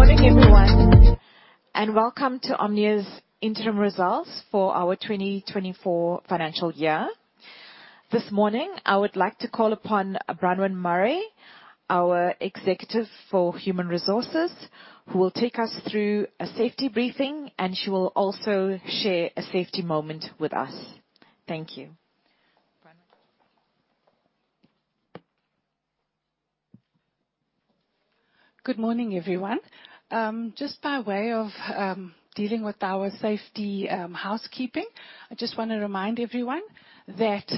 Good morning, everyone, and welcome to Omnia's interim results for our 2024 financial year. This morning, I would like to call upon Bronwyn Murray, our Executive for Human Resources, who will take us through a safety briefing, and she will also share a safety moment with us. Thank you. Bronwyn? Good morning, everyone. Just by way of dealing with our safety housekeeping, I just want to remind everyone that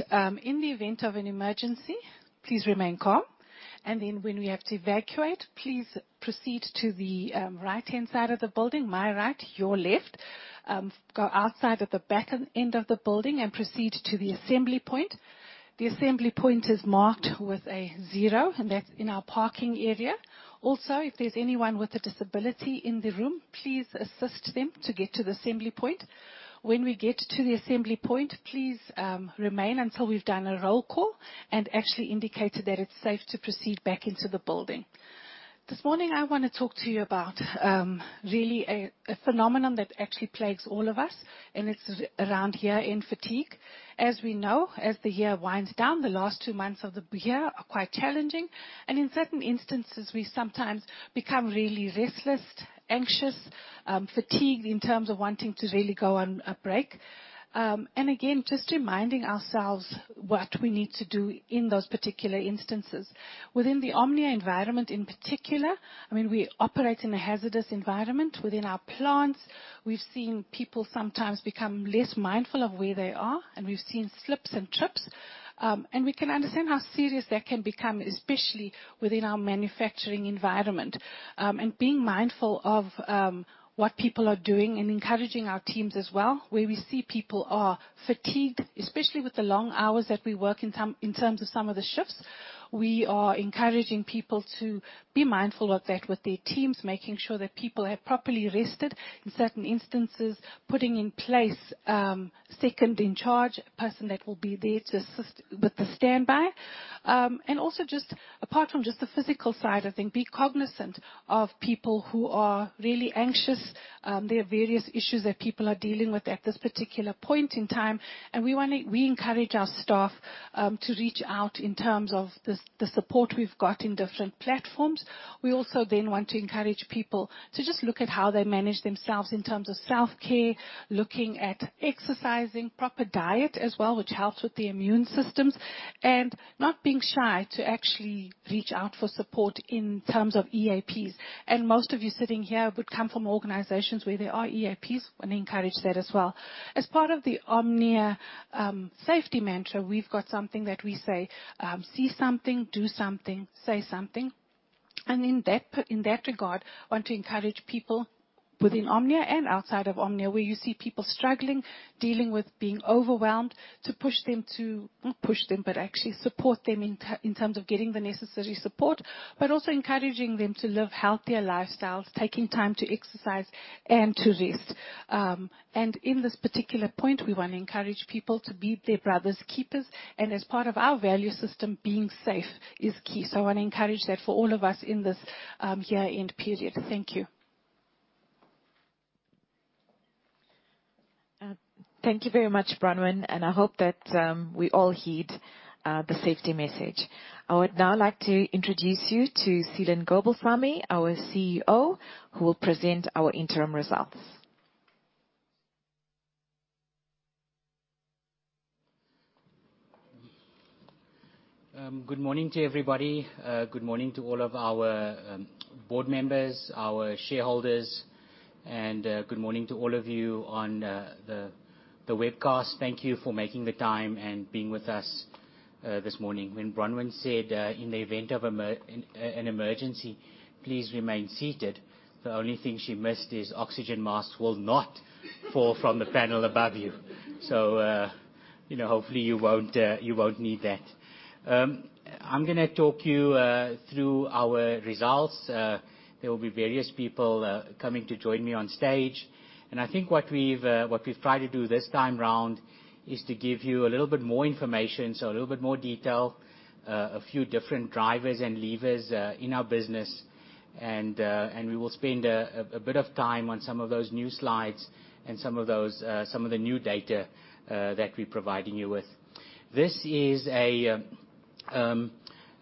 in the event of an emergency, please remain calm, and then when we have to evacuate, please proceed to the right-hand side of the building. My right, your left. Go outside at the back end of the building and proceed to the assembly point. The assembly point is marked with a zero, and that's in our parking area. Also, if there's anyone with a disability in the room, please assist them to get to the assembly point. When we get to the assembly point, please remain until we've done a roll call and actually indicated that it's safe to proceed back into the building. This morning, I wanna talk to you about, really a phenomenon that actually plagues all of us, and it's around year-end fatigue. As we know, as the year winds down, the last two months of the year are quite challenging, and in certain instances, we sometimes become really restless, anxious, fatigued, in terms of wanting to really go on a break. And again, just reminding ourselves what we need to do in those particular instances. Within the Omnia environment, in particular, I mean, we operate in a hazardous environment. Within our plants, we've seen people sometimes become less mindful of where they are, and we've seen slips and trips. And we can understand how serious that can become, especially within our manufacturing environment. Being mindful of what people are doing and encouraging our teams as well, where we see people are fatigued, especially with the long hours that we work in terms of some of the shifts. We are encouraging people to be mindful of that with their teams, making sure that people have properly rested. In certain instances, putting in place second-in-charge, a person that will be there to assist with the standby. And also, just apart from just the physical side, I think, be cognizant of people who are really anxious. There are various issues that people are dealing with at this particular point in time, and we wanna—we encourage our staff to reach out in terms of the support we've got in different platforms. We also then want to encourage people to just look at how they manage themselves in terms of self-care, looking at exercising, proper diet as well, which helps with the immune systems, and not being shy to actually reach out for support in terms of EAPs. Most of you sitting here would come from organizations where there are EAPs, wanna encourage that as well. As part of the Omnia safety mantra, we've got something that we say: "See something, do something, say something." And in that regard, want to encourage people within Omnia and outside of Omnia, where you see people struggling, dealing with being overwhelmed, to push them to... Not push them, but actually support them in terms of getting the necessary support, but also encouraging them to live healthier lifestyles, taking time to exercise and to rest. And in this particular point, we want to encourage people to be their brothers' keepers, and as part of our value system, being safe is key. So I want to encourage that for all of us in this year-end period. Thank you. Thank you very much, Bronwyn, and I hope that we all heed the safety message. I would now like to introduce you to Seelan Gobalsamy, our CEO, who will present our interim results. Good morning to everybody. Good morning to all of our board members, our shareholders, and good morning to all of you on the webcast. Thank you for making the time and being with us this morning. When Bronwyn said, "In the event of an emergency, please remain seated," the only thing she missed is oxygen masks will not fall from the panel above you. So, you know, hopefully, you won't need that. I'm gonna talk you through our results. There will be various people coming to join me on stage, and I think what we've tried to do this time around is to give you a little bit more information, so a little bit more detail, a few different drivers and levers in our business. And we will spend a bit of time on some of those new slides and some of those some of the new data that we're providing you with. This is a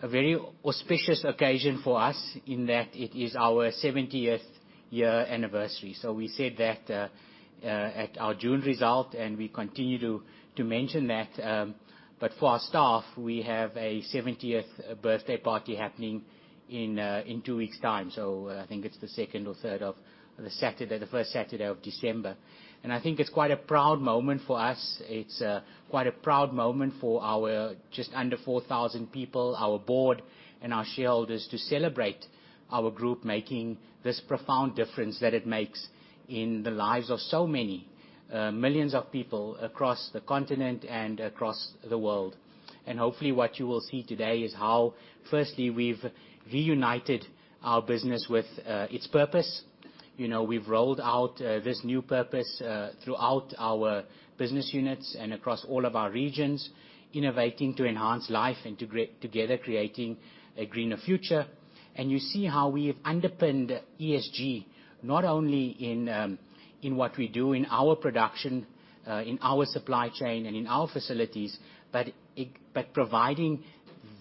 very auspicious occasion for us in that it is our 70th year anniversary. So we said that at our June result, and we continue to mention that, but for our staff, we have a 70th birthday party happening in two weeks' time. So I think it's the second or third of the Saturday, the first Saturday of December. And I think it's quite a proud moment for us. It's quite a proud moment for our just under 4,000 people, our board, and our shareholders, to celebrate our group making this profound difference that it makes in the lives of so many millions of people across the continent and across the world. And hopefully, what you will see today is how, firstly, we've reunited our business with its purpose. You know, we've rolled out this new purpose throughout our business units and across all of our regions, innovating to enhance life and to create together creating a greener future. And you see how we have underpinned ESG, not only in what we do in our production in our supply chain, and in our facilities, but providing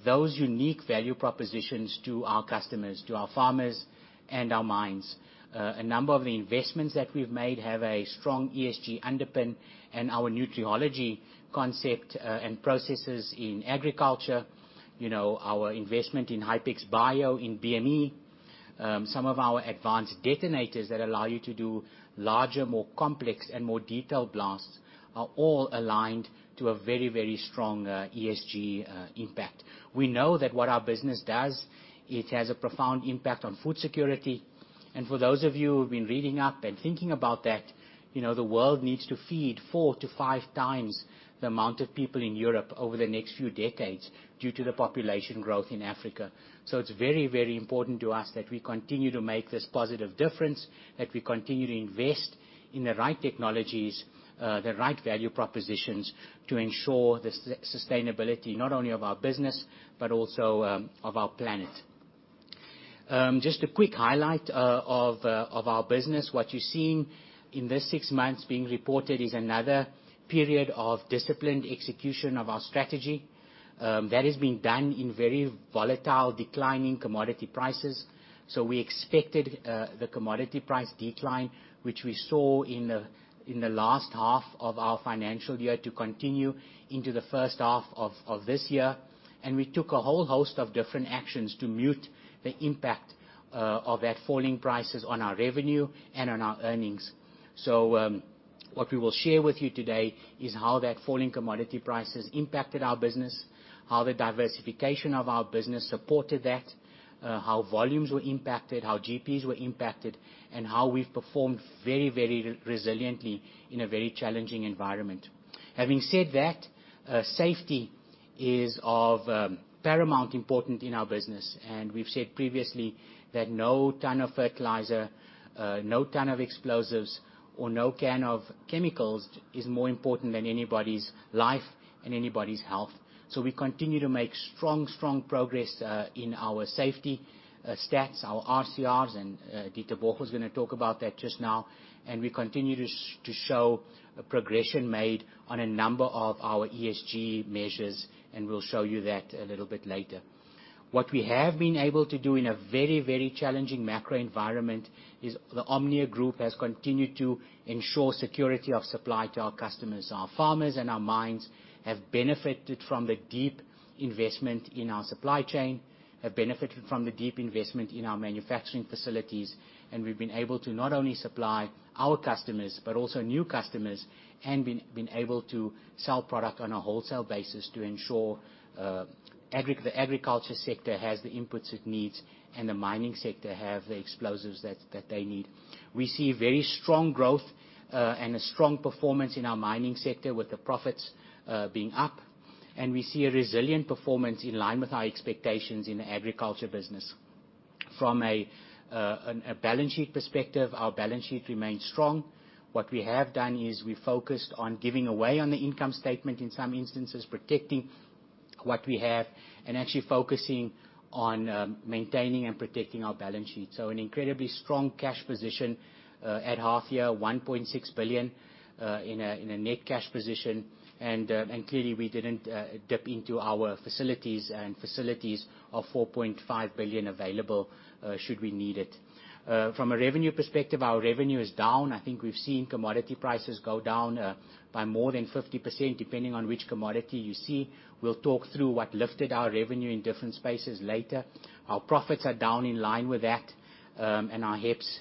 those unique value propositions to our customers, to our farmers, and our mines. A number of the investments that we've made have a strong ESG underpin, and our Nutriology concept and processes in agriculture, you know, our investment in Hypex Bio in BME, some of our advanced detonators that allow you to do larger, more complex and more detailed blasts, are all aligned to a very, very strong ESG impact. We know that what our business does, it has a profound impact on food security. For those of you who have been reading up and thinking about that, you know, the world needs to feed four to five times the amount of people in Europe over the next few decades due to the population growth in Africa. So it's very, very important to us that we continue to make this positive difference, that we continue to invest in the right technologies, the right value propositions, to ensure the sustainability, not only of our business, but also of our planet. Just a quick highlight of our business. What you're seeing in this six months being reported is another period of disciplined execution of our strategy that has been done in very volatile, declining commodity prices. So we expected the commodity price decline, which we saw in the last half of our financial year, to continue into the first half of this year, and we took a whole host of different actions to mute the impact of that falling prices on our revenue and on our earnings. What we will share with you today is how that falling commodity prices impacted our business, how the diversification of our business supported that, how volumes were impacted, how GPs were impacted, and how we've performed very, very resiliently in a very challenging environment. Having said that, safety is of paramount importance in our business, and we've said previously that no ton of fertilizer, no ton of explosives, or no can of chemicals is more important than anybody's life and anybody's health. We continue to make strong, strong progress in our safety stats, our RCRs, and Ditebogo is gonna talk about that just now. We continue to show a progression made on a number of our ESG measures, and we'll show you that a little bit later. What we have been able to do in a very, very challenging macro environment is the Omnia Group has continued to ensure security of supply to our customers. Our farmers and our mines have benefited from the deep investment in our supply chain, have benefited from the deep investment in our manufacturing facilities, and we've been able to not only supply our customers, but also new customers, and been able to sell product on a wholesale basis to ensure the agriculture sector has the inputs it needs, and the mining sector have the explosives that they need. We see very strong growth and a strong performance in our mining sector, with the profits being up, and we see a resilient performance in line with our expectations in the agriculture business. From a balance sheet perspective, our balance sheet remains strong. What we have done is we focused on giving away on the income statement, in some instances, protecting what we have, and actually focusing on, maintaining and protecting our balance sheet. So an incredibly strong cash position, at half year, 1.6 billion, in a net cash position, and clearly, we didn't dip into our facilities and facilities of 4.5 billion available, should we need it. From a revenue perspective, our revenue is down. I think we've seen commodity prices go down, by more than 50%, depending on which commodity you see. We'll talk through what lifted our revenue in different spaces later. Our profits are down in line with that, and our HEPS,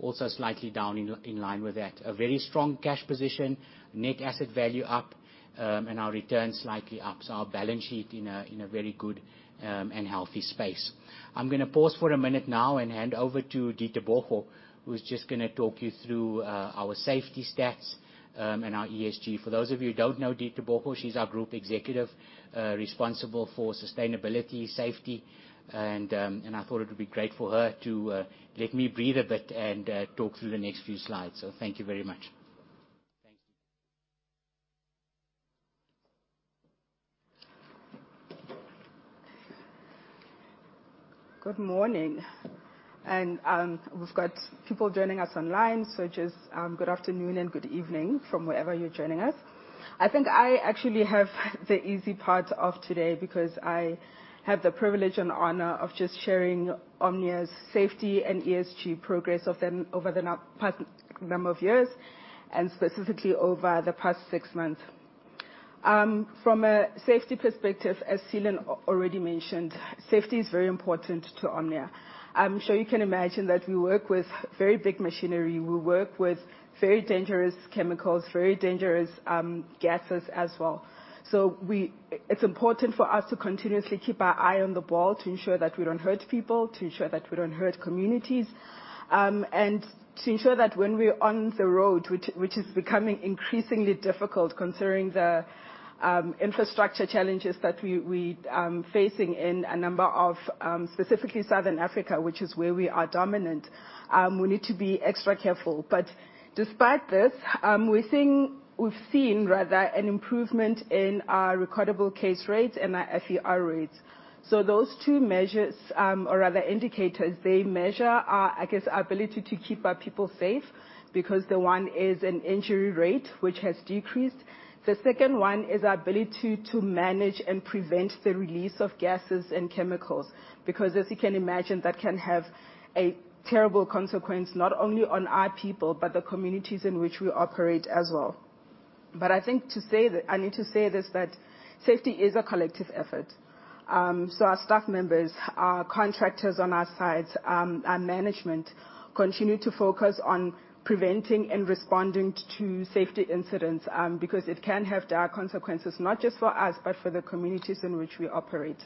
also slightly down in line with that. A very strong cash position, net asset value up, and our returns slightly up, so our balance sheet in a very good and healthy space. I'm gonna pause for a minute now and hand over to Ditebogo Malatsi, who's just gonna talk you through our safety stats and our ESG. For those of you who don't know Ditebogo Malatsi, she's our Group Executive responsible for sustainability, safety, and I thought it would be great for her to let me breathe a bit and talk through the next few slides. So thank you very much. Good morning. We've got people joining us online, so just good afternoon and good evening from wherever you're joining us. I think I actually have the easy part of today, because I have the privilege and honor of just sharing Omnia's safety and ESG progress of them over the past number of years, and specifically over the past six months. From a safety perspective, as Seelan already mentioned, safety is very important to Omnia. I'm sure you can imagine that we work with very big machinery, we work with very dangerous chemicals, very dangerous gases as well. So it's important for us to continuously keep our eye on the ball, to ensure that we don't hurt people, to ensure that we don't hurt communities, and... To ensure that when we're on the road, which is becoming increasingly difficult considering the infrastructure challenges that we facing in a number of specifically Southern Africa, which is where we are dominant, we need to be extra careful. But despite this, we've seen rather an improvement in our Recordable Case Rates and our FER Rates. So those two measures, or rather indicators, they measure our, I guess, our ability to keep our people safe, because the one is an injury rate, which has decreased. The second one is our ability to manage and prevent the release of gases and chemicals, because as you can imagine, that can have a terrible consequence, not only on our people, but the communities in which we operate as well. But I think to say that I need to say this, that safety is a collective effort. So our staff members, our contractors on our sites, our management, continue to focus on preventing and responding to safety incidents, because it can have dire consequences, not just for us, but for the communities in which we operate.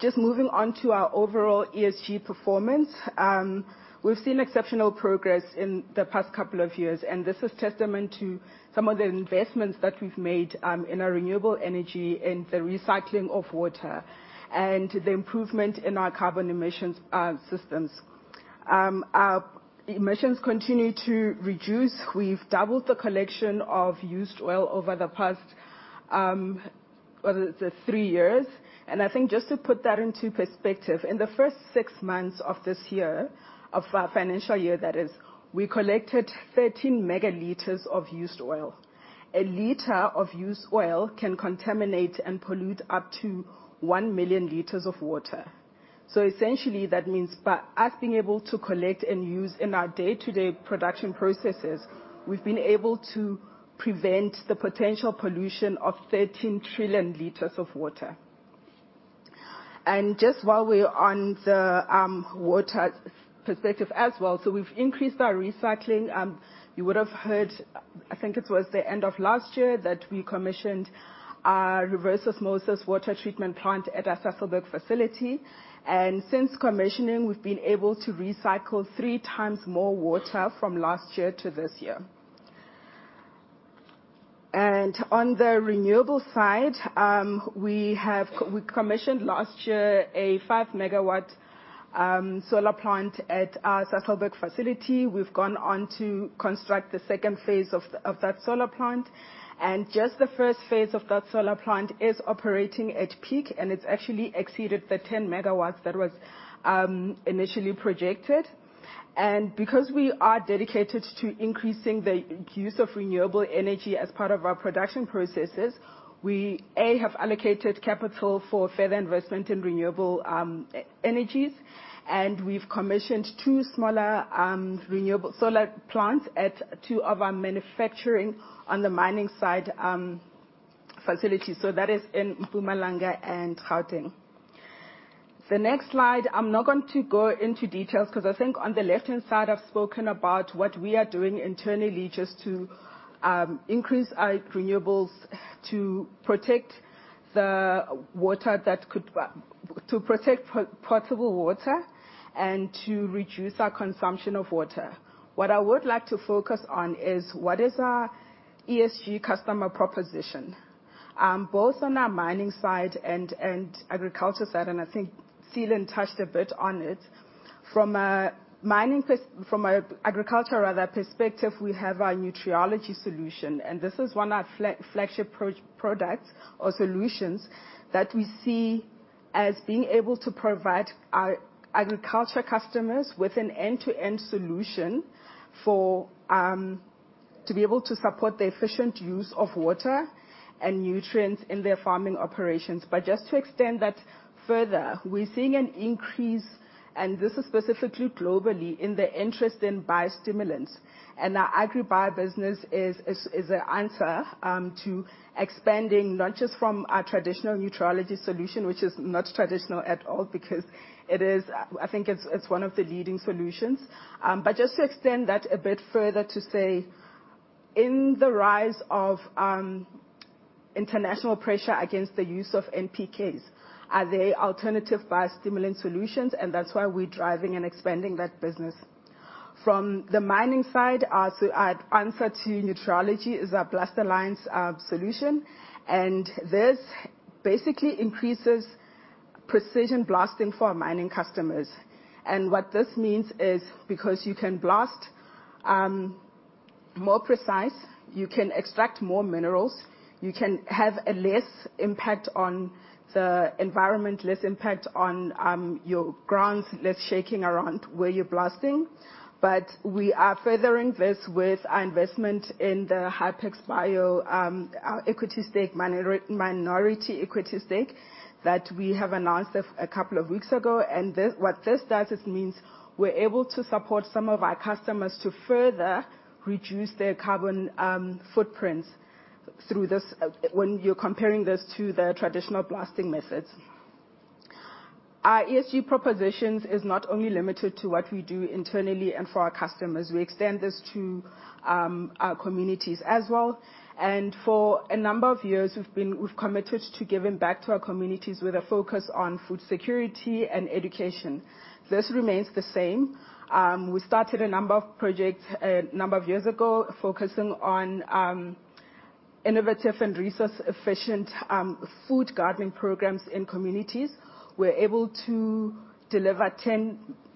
Just moving on to our overall ESG performance. We've seen exceptional progress in the past couple of years, and this is testament to some of the investments that we've made, in our renewable energy and the recycling of water, and the improvement in our carbon emissions systems. Our emissions continue to reduce. We've doubled the collection of used oil over the past, whether it's three years, and I think just to put that into perspective, in the first 6 months of this year, of our financial year that is, we collected 13 megaliters of used oil. A liter of used oil can contaminate and pollute up to 1 million liters of water. So essentially, that means by us being able to collect and use in our day-to-day production processes, we've been able to prevent the potential pollution of 13 trillion liters of water. And just while we're on the, water perspective as well, so we've increased our recycling. You would have heard, I think it was the end of last year, that we commissioned our reverse osmosis water treatment plant at our Sasolburg facility, and since commissioning, we've been able to recycle three times more water from last year to this year. And on the renewable side, we commissioned last year a 5 MW solar plant at our Sasolburg facility. We've gone on to construct the second phase of that solar plant, and just the first phase of that solar plant is operating at peak, and it's actually exceeded the 10 MW that was initially projected. And because we are dedicated to increasing the use of renewable energy as part of our production processes, we have allocated capital for further investment in renewable energies, and we've commissioned two smaller renewable solar plants at two of our manufacturing on the mining side facilities, so that is in Mpumalanga and Gauteng. The next slide, I'm not going to go into details, because I think on the left-hand side, I've spoken about what we are doing internally just to increase our renewables, to protect potable water, and to reduce our consumption of water. What I would like to focus on is: what is our ESG customer proposition, both on our mining side and agriculture side, and I think Seelan touched a bit on it. From a mining—from an agricultural, rather, perspective, we have our Nutriology solution, and this is one of our flagship products or solutions that we see as being able to provide our agriculture customers with an end-to-end solution for to be able to support the efficient use of water and nutrients in their farming operations. But just to extend that further, we're seeing an increase, and this is specifically globally, in the interest in biostimulants. And our AgriBio business is an answer to expanding not just from our traditional Nutriology solution, which is not traditional at all, because it is, I think it's, it's one of the leading solutions. But just to extend that a bit further, to say in the rise of international pressure against the use of NPKs, are there alternative biostimulant solutions? And that's why we're driving and expanding that business. From the mining side, our answer to Nutriology is our BLASTALLIANCE solution, and this basically increases precision blasting for our mining customers. And what this means is, because you can blast more precise, you can extract more minerals, you can have a less impact on the environment, less impact on your grounds, less shaking around where you're blasting. But we are furthering this with our investment in the Hypex Bio our equity stake, minority equity stake, that we have announced a couple of weeks ago. And this, what this does, is means we're able to support some of our customers to further reduce their carbon footprints through this when you're comparing this to the traditional blasting methods. Our ESG propositions is not only limited to what we do internally and for our customers, we extend this to our communities as well. For a number of years, we've committed to giving back to our communities with a focus on food security and education. This remains the same. We started a number of projects a number of years ago, focusing on innovative and resource-efficient food gardening programs in communities. We're able to deliver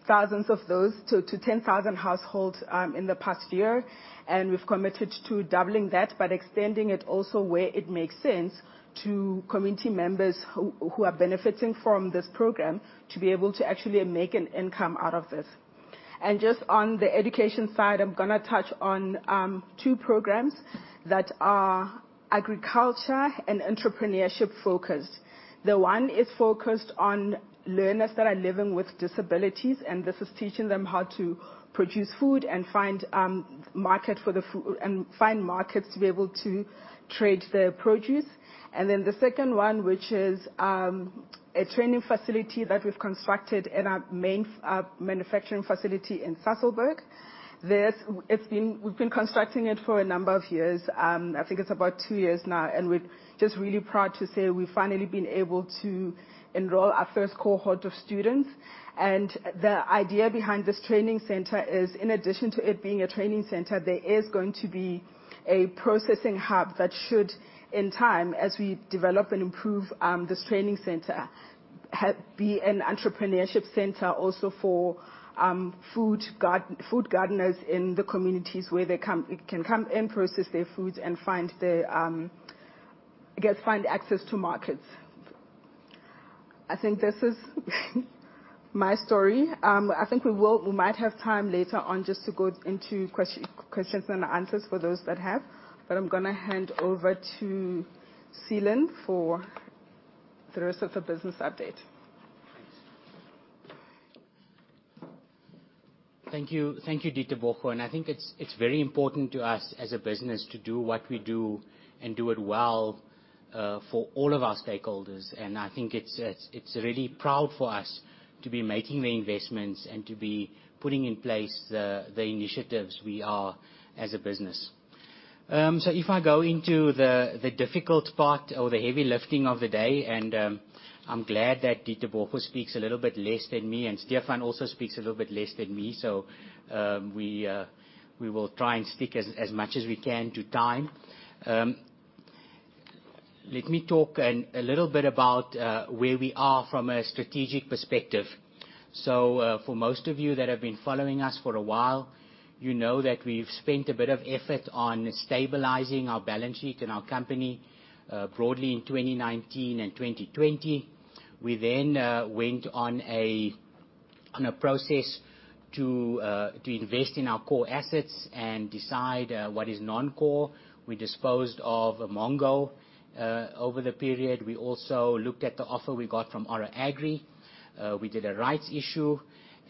10,000 of those to 10,000 households in the past year, and we've committed to doubling that, but extending it also where it makes sense to community members who are benefiting from this program, to be able to actually make an income out of this. And just on the education side, I'm gonna touch on two programs that are agriculture and entrepreneurship focused. The one is focused on learners that are living with disabilities, and this is teaching them how to produce food and find market for the food... and find markets to be able to trade their produce. And then the second one, which is a training facility that we've constructed in our main manufacturing facility in Sasolburg. We've been constructing it for a number of years, I think it's about two years now, and we're just really proud to say we've finally been able to enroll our first cohort of students. The idea behind this training center is, in addition to it being a training center, there is going to be a processing hub that should, in time, as we develop and improve, this training center, help be an entrepreneurship center also for, food gardeners in the communities where they come, can come and process their food and find their, I guess, access to markets. I think this is my story. I think we might have time later on just to go into questions and answers for those that have. But I'm gonna hand over to Seelan for the rest of the business update. Thank you. Thank you, Ditebogo, and I think it's very important to us as a business to do what we do and do it well for all of our stakeholders. And I think it's really proud for us to be making the investments and to be putting in place the initiatives we are as a business. So if I go into the difficult part or the heavy lifting of the day, and I'm glad that Ditebogo speaks a little bit less than me, and Stefan also speaks a little bit less than me, so we will try and stick as much as we can to time. Let me talk a little bit about where we are from a strategic perspective. So, for most of you that have been following us for a while, you know that we've spent a bit of effort on stabilizing our balance sheet and our company, broadly in 2019 and 2020. We then went on a process to invest in our core assets and decide what is non-core. We disposed of Umongo. Over the period, we also looked at the offer we got from Oro Agri. We did a rights issue,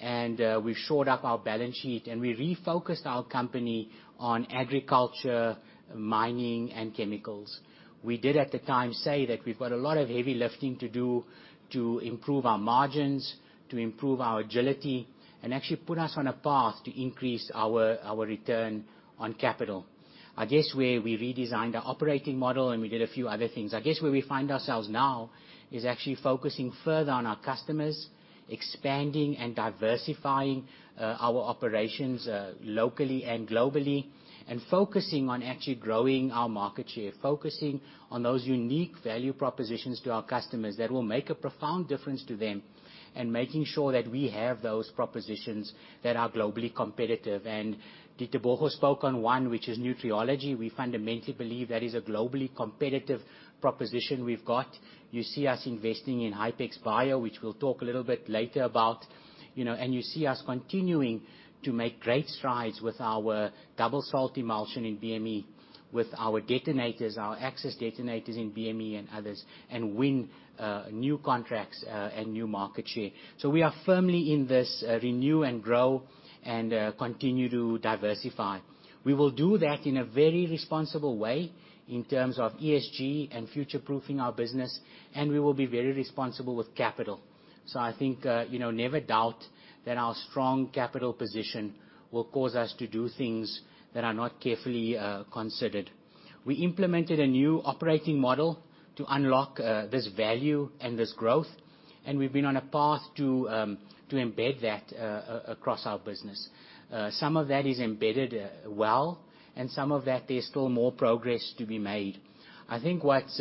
and we shored up our balance sheet and we refocused our company on agriculture, mining, and chemicals. We did, at the time, say that we've got a lot of heavy lifting to do to improve our margins, to improve our agility, and actually put us on a path to increase our return on capital. I guess, where we redesigned our operating model, and we did a few other things. I guess, where we find ourselves now is actually focusing further on our customers, expanding and diversifying our operations locally and globally, and focusing on actually growing our market share. Focusing on those unique value propositions to our customers that will make a profound difference to them, and making sure that we have those propositions that are globally competitive. And Ditebogo spoke on one, which is Nutriology. We fundamentally believe that is a globally competitive proposition we've got. You see us investing in Hypex Bio, which we'll talk a little bit later about, you know, and you see us continuing to make great strides with our double salt emulsion in BME, with our detonators, our AXXIS detonators in BME and others, and win new contracts and new market share. So we are firmly in this, renew and grow and, continue to diversify. We will do that in a very responsible way in terms of ESG and future-proofing our business, and we will be very responsible with capital. So I think, you know, never doubt that our strong capital position will cause us to do things that are not carefully, considered. We implemented a new operating model to unlock, this value and this growth, and we've been on a path to, to embed that, across our business. Some of that is embedded, well, and some of that, there's still more progress to be made. I think what's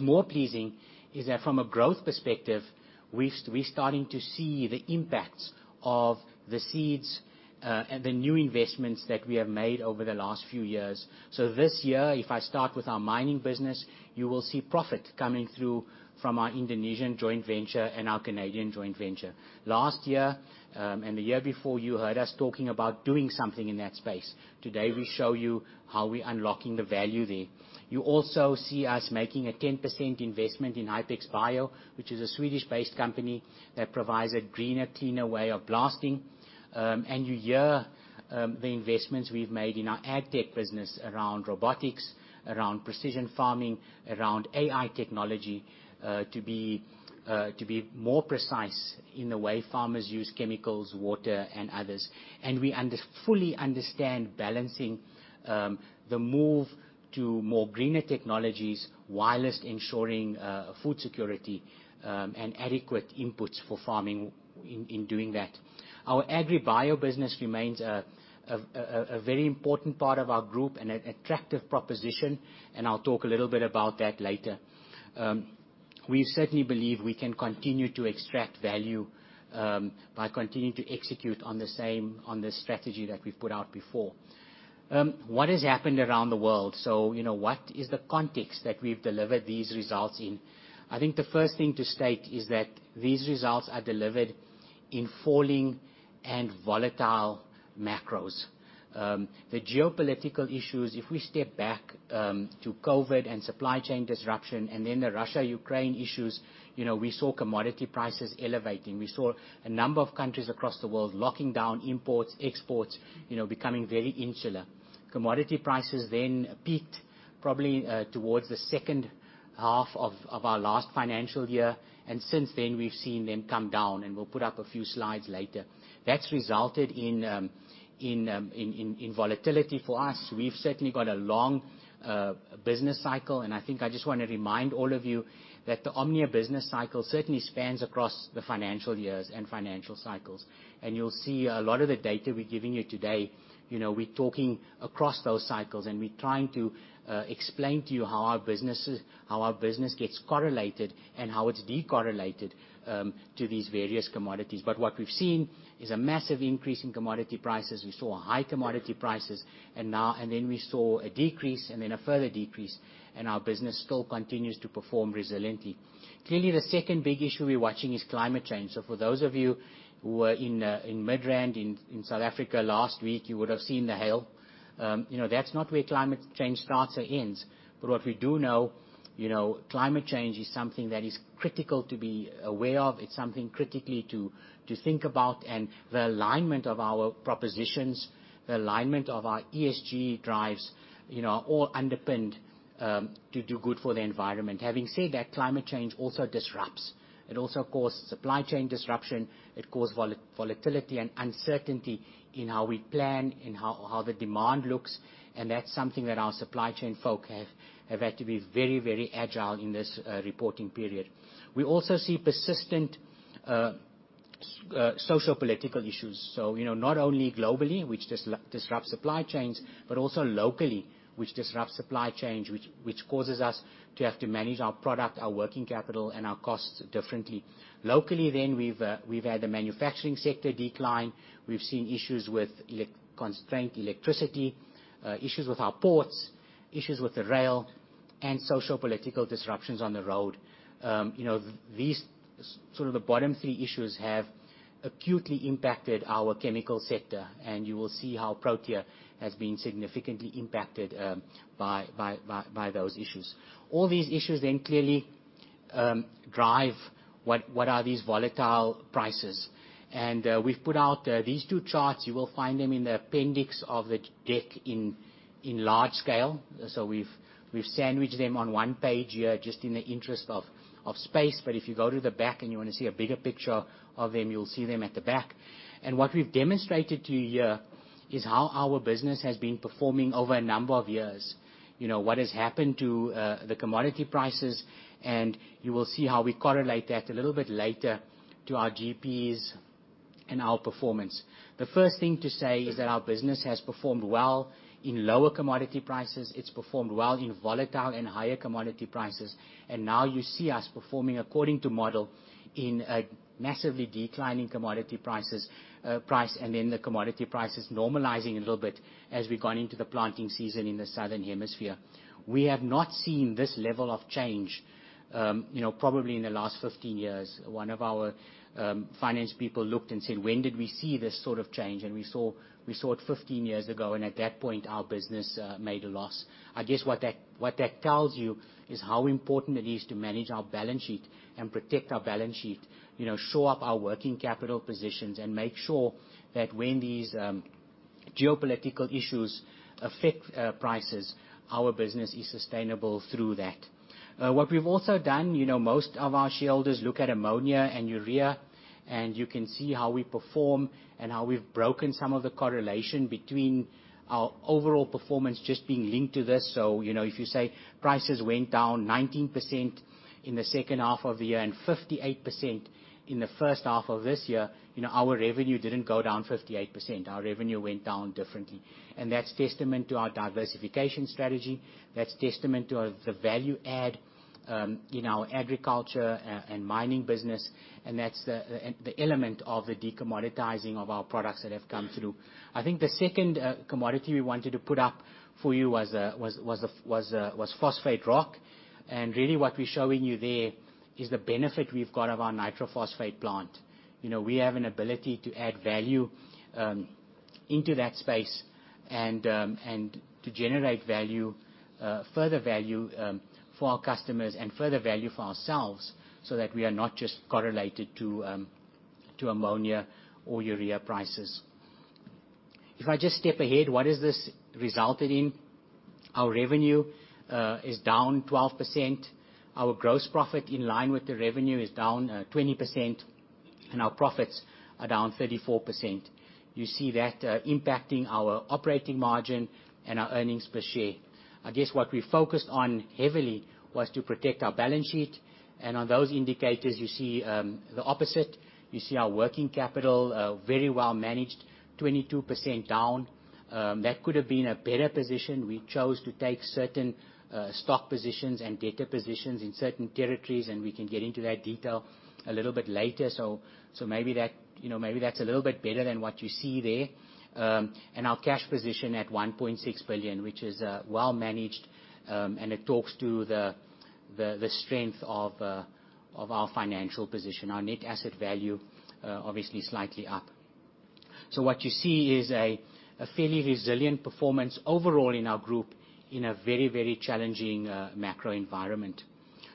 more pleasing is that from a growth perspective, we're starting to see the impacts of the seeds and the new investments that we have made over the last few years. So this year, if I start with our mining business, you will see profit coming through from our Indonesian joint venture and our Canadian joint venture. Last year and the year before, you heard us talking about doing something in that space. Today, we show you how we're unlocking the value there. You also see us making a 10% investment in Hypex Bio, which is a Swedish-based company that provides a greener, cleaner way of blasting. You hear the investments we've made in our AgTech business around robotics, around precision farming, around AI technology, to be more precise in the way farmers use chemicals, water, and others. We fully understand balancing the move to greener technologies, while ensuring food security and adequate inputs for farming in doing that. Our AgriBio business remains a very important part of our group and an attractive proposition, and I'll talk a little bit about that later. We certainly believe we can continue to extract value by continuing to execute on the strategy that we've put out before. What has happened around the world? So, you know, what is the context that we've delivered these results in? I think the first thing to state is that these results are delivered in falling and volatile macros. The geopolitical issues, if we step back, to COVID and supply chain disruption and then the Russia-Ukraine issues, you know, we saw commodity prices elevating. We saw a number of countries across the world locking down imports, exports, you know, becoming very insular. Commodity prices then peaked, probably, towards the second half of our last financial year, and since then, we've seen them come down, and we'll put up a few slides later. That's resulted in volatility for us. We've certainly got a long business cycle, and I think I just wanna remind all of you that the Omnia business cycle certainly spans across the financial years and financial cycles. And you'll see a lot of the data we're giving you today, you know, we're talking across those cycles, and we're trying to explain to you how our businesses, how our business gets correlated and how it's decorrelated to these various commodities. But what we've seen is a massive increase in commodity prices. We saw high commodity prices, and now, and then we saw a decrease and then a further decrease, and our business still continues to perform resiliently. Clearly, the second big issue we're watching is climate change. So for those of you who were in Midrand, in South Africa last week, you would have seen the hail. You know, that's not where climate change starts or ends. But what we do know, you know, climate change is something that is critical to be aware of. It's something critically to think about, and the alignment of our propositions, the alignment of our ESG drives, you know, are all underpinned to do good for the environment. Having said that, climate change also disrupts. It also causes supply chain disruption. It causes volatility and uncertainty in how we plan and how the demand looks, and that's something that our supply chain folk have had to be very, very agile in this reporting period. We also see persistent sociopolitical issues. So, you know, not only globally, which disrupts supply chains, but also locally, which disrupts supply chains, which causes us to have to manage our product, our working capital, and our costs differently. Locally then, we've had the manufacturing sector decline. We've seen issues with constrained electricity, issues with our ports, issues with the rail, and sociopolitical disruptions on the road. You know, these, sort of, the bottom three issues have acutely impacted our chemical sector, and you will see how Protea has been significantly impacted by those issues. All these issues then clearly drive what are these volatile prices? We've put out these two charts. You will find them in the appendix of the deck in large scale. So we've sandwiched them on one page here, just in the interest of space. But if you go to the back and you wanna see a bigger picture of them, you'll see them at the back. What we've demonstrated to you here is how our business has been performing over a number of years. You know, what has happened to the commodity prices, and you will see how we correlate that a little bit later to our GPs and our performance. The first thing to say is that our business has performed well in lower commodity prices. It's performed well in volatile and higher commodity prices, and now you see us performing according to model in a massively declining commodity prices, price, and then the commodity prices normalizing a little bit as we've gone into the planting season in the Southern Hemisphere. We have not seen this level of change, you know, probably in the last 15 years. One of our finance people looked and said, "When did we see this sort of change?" And we saw, we saw it 15 years ago, and at that point, our business made a loss. I guess what that, what that tells you is how important it is to manage our balance sheet and protect our balance sheet. You know, shore up our working capital positions and make sure that when these geopolitical issues affect prices, our business is sustainable through that. What we've also done, you know, most of our shareholders look at ammonia and urea, and you can see how we perform and how we've broken some of the correlation between our overall performance just being linked to this. So, you know, if you say prices went down 19% in the second half of the year and 58% in the first half of this year, you know, our revenue didn't go down 58%. Our revenue went down differently. That's testament to our diversification strategy, that's testament to our, the value add in our agriculture and mining business, and that's the element of the decommoditizing of our products that have come through. I think the second commodity we wanted to put up for you was phosphate rock. And really what we're showing you there is the benefit we've got of our nitrophosphate plant. You know, we have an ability to add value into that space and to generate value further value for our customers and further value for ourselves so that we are not just correlated to ammonia or urea prices. If I just step ahead, what has this resulted in? Our revenue is down 12%. Our gross profit in line with the revenue is down 20%, and our profits are down 34%. You see that impacting our operating margin and our earnings per share. I guess what we focused on heavily was to protect our balance sheet, and on those indicators, you see the opposite. You see our working capital very well managed, 22% down. That could have been a better position. We chose to take certain stock positions and debtor positions in certain territories, and we can get into that detail a little bit later. So, so maybe that, you know, maybe that's a little bit better than what you see there. And our cash position at 1.6 billion, which is well managed, and it talks to the strength of our financial position. Our net asset value, obviously slightly up. So what you see is a fairly resilient performance overall in our group in a very, very challenging macro environment.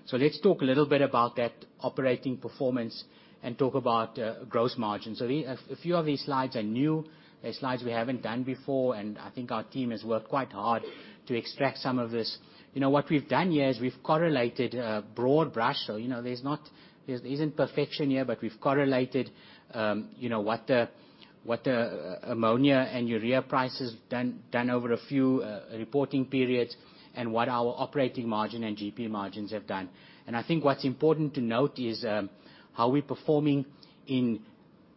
So let's talk a little bit about that operating performance and talk about gross margin. So a few of these slides are new, they're slides we haven't done before, and I think our team has worked quite hard to extract some of this. You know, what we've done here is we've correlated broad brush, so, you know, there isn't perfection here, but we've correlated, you know, what the ammonia and urea prices done over a few reporting periods, and what our operating margin and GP margins have done. I think what's important to note is how we're performing in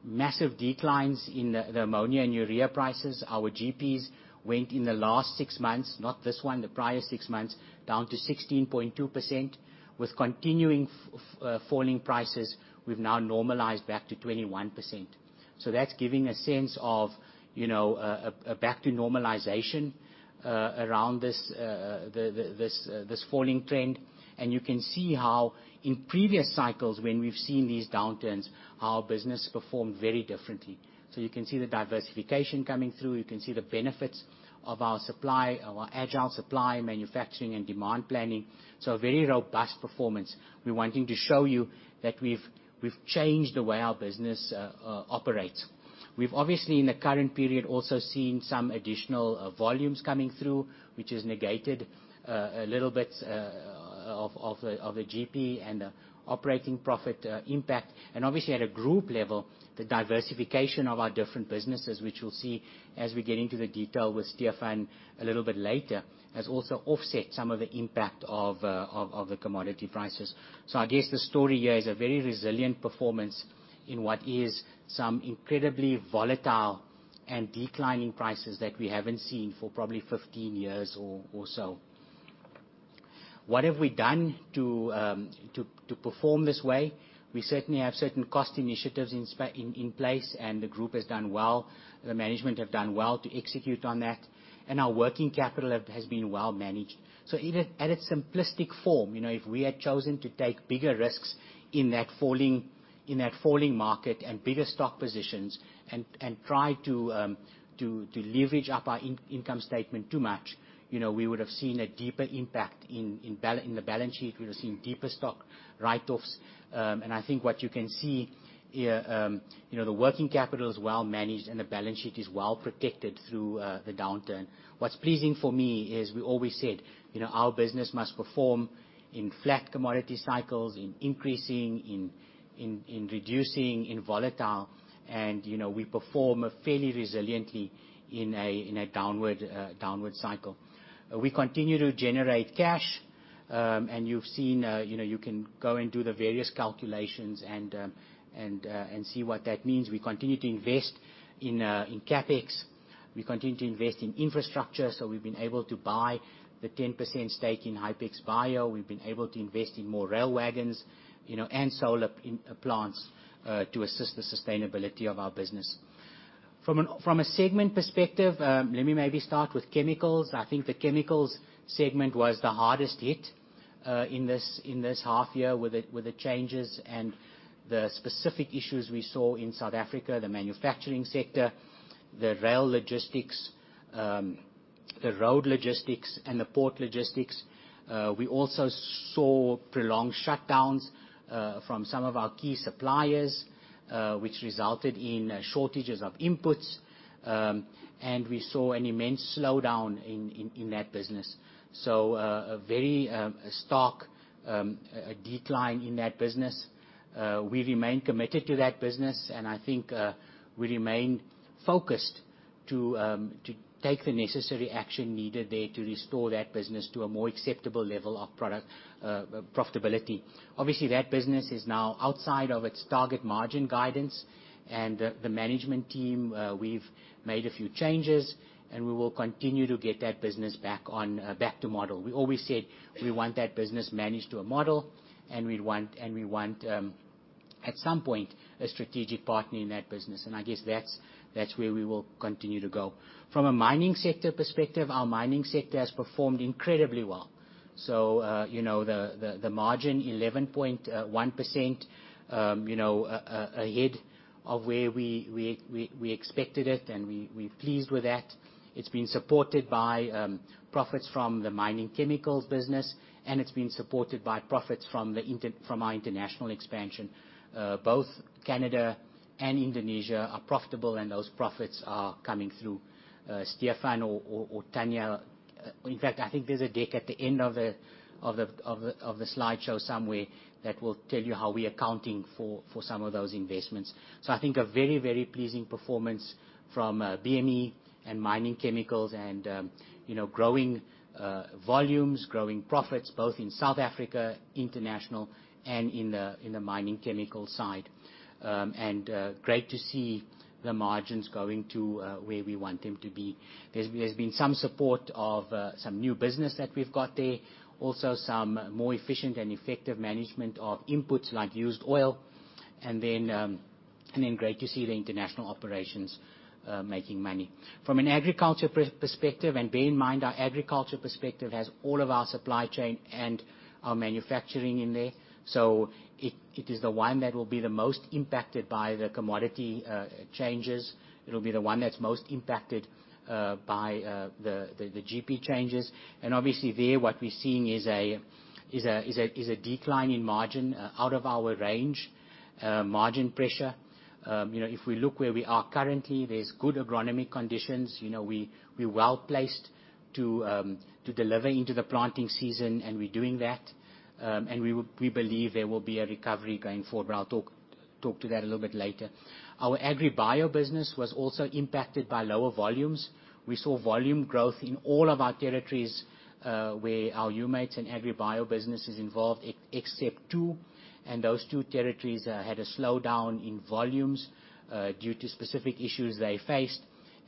massive declines in the ammonia and urea prices. Our GPs went in the last six months, not this one, the prior six months, down to 16.2%. With continuing falling prices, we've now normalized back to 21%. So that's giving a sense of, you know, back to normalization around this falling trend. And you can see how in previous cycles, when we've seen these downturns, our business performed very differently. So you can see the diversification coming through, you can see the benefits of our supply, our agile supply, manufacturing, and demand planning. So a very robust performance. We're wanting to show you that we've changed the way our business operates. We've obviously, in the current period, also seen some additional volumes coming through, which has negated a little bit of a GP and an operating profit impact. Obviously, at a group level, the diversification of our different businesses, which you'll see as we get into the detail with Stephan a little bit later, has also offset some of the impact of the commodity prices. I guess the story here is a very resilient performance in what is some incredibly volatile and declining prices that we haven't seen for probably 15 years or so. What have we done to perform this way? We certainly have certain cost initiatives in place, and the group has done well, the management has done well to execute on that, and our working capital has been well managed. So even at its simplistic form, you know, if we had chosen to take bigger risks in that falling market, and bigger stock positions, and try to leverage up our income statement too much, you know, we would have seen a deeper impact in the balance sheet. We would have seen deeper stock write-offs. And I think what you can see here, you know, the working capital is well managed, and the balance sheet is well protected through the downturn. What's pleasing for me is, we always said, you know, our business must perform in flat commodity cycles, in increasing, in reducing, in volatile, and, you know, we perform fairly resiliently in a downward cycle. We continue to generate cash, and you've seen, you know, you can go and do the various calculations and see what that means. We continue to invest in CapEx. We continue to invest in infrastructure, so we've been able to buy the 10% stake in Hypex Bio. We've been able to invest in more rail wagons, you know, and solar in plants to assist the sustainability of our business. From a segment perspective, let me maybe start with chemicals. I think the chemicals segment was the hardest hit in this half year with the changes and the specific issues we saw in South Africa, the manufacturing sector, the rail logistics, the road logistics, and the port logistics. We also saw prolonged shutdowns from some of our key suppliers, which resulted in shortages of inputs, and we saw an immense slowdown in that business. So, a very stark decline in that business. We remain committed to that business, and I think we remain focused to take the necessary action needed there to restore that business to a more acceptable level of product profitability. Obviously, that business is now outside of its target margin guidance, and the management team, we've made a few changes, and we will continue to get that business back on, back to model. We always said we want that business managed to a model, and we'd want—and we want, at some point, a strategic partner in that business, and I guess that's where we will continue to go. From a mining sector perspective, our mining sector has performed incredibly well. So, you know, the margin, 11.1%, you know, ahead of where we expected it, and we're pleased with that. It's been supported by profits from the Mining Chemicals business, and it's been supported by profits from our international expansion. Both Canada and Indonesia are profitable, and those profits are coming through. Stefan or Tanya? In fact, I think there's a deck at the end of the slideshow somewhere that will tell you how we are accounting for some of those investments. So I think a very, very pleasing performance from BME and mining chemicals and, you know, growing volumes, growing profits, both in South Africa, international, and in the mining chemical side. And great to see the margins going to where we want them to be. There's been some support of some new business that we've got there. Also, some more efficient and effective management of inputs, like used oil, and then great to see the international operations making money. From an agriculture perspective, and bear in mind, our agriculture perspective has all of our supply chain and our manufacturing in there, so it is the one that will be the most impacted by the commodity changes. It'll be the one that's most impacted by the GP changes. And obviously, what we're seeing is a decline in margin out of our range, margin pressure. You know, if we look where we are currently, there's good agronomic conditions. You know, we're well placed to deliver into the planting season, and we're doing that. And we believe there will be a recovery going forward, but I'll talk to that a little bit later. Our AgriBio business was also impacted by lower volumes. We saw volume growth in all of our territories where our Humates and AgriBio business is involved, except two, and those two territories had a slowdown in volumes due to specific issues they faced.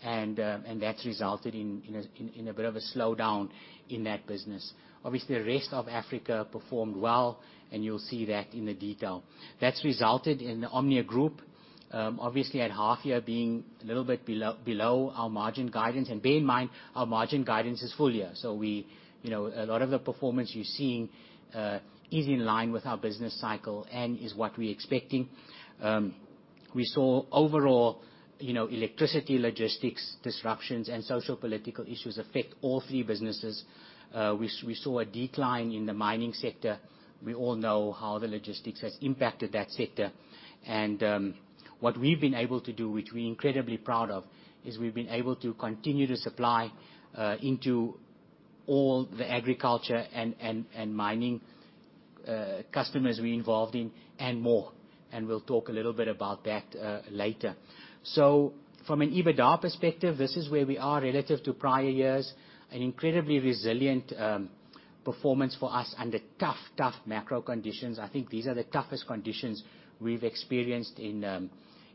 And that's resulted in a bit of a slowdown in that business. Obviously, the rest of Africa performed well, and you'll see that in the detail. That's resulted in the Omnia Group obviously at half year being a little bit below our margin guidance. And bear in mind, our margin guidance is full year, so you know, a lot of the performance you're seeing is in line with our business cycle and is what we're expecting. We saw overall you know, electricity, logistics, disruptions, and social political issues affect all three businesses. We saw a decline in the mining sector. We all know how the logistics has impacted that sector. And what we've been able to do, which we're incredibly proud of, is we've been able to continue to supply into all the agriculture and mining customers we're involved in and more, and we'll talk a little bit about that later. So from an EBITDA perspective, this is where we are relative to prior years. An incredibly resilient performance for us under tough, tough macro conditions. I think these are the toughest conditions we've experienced in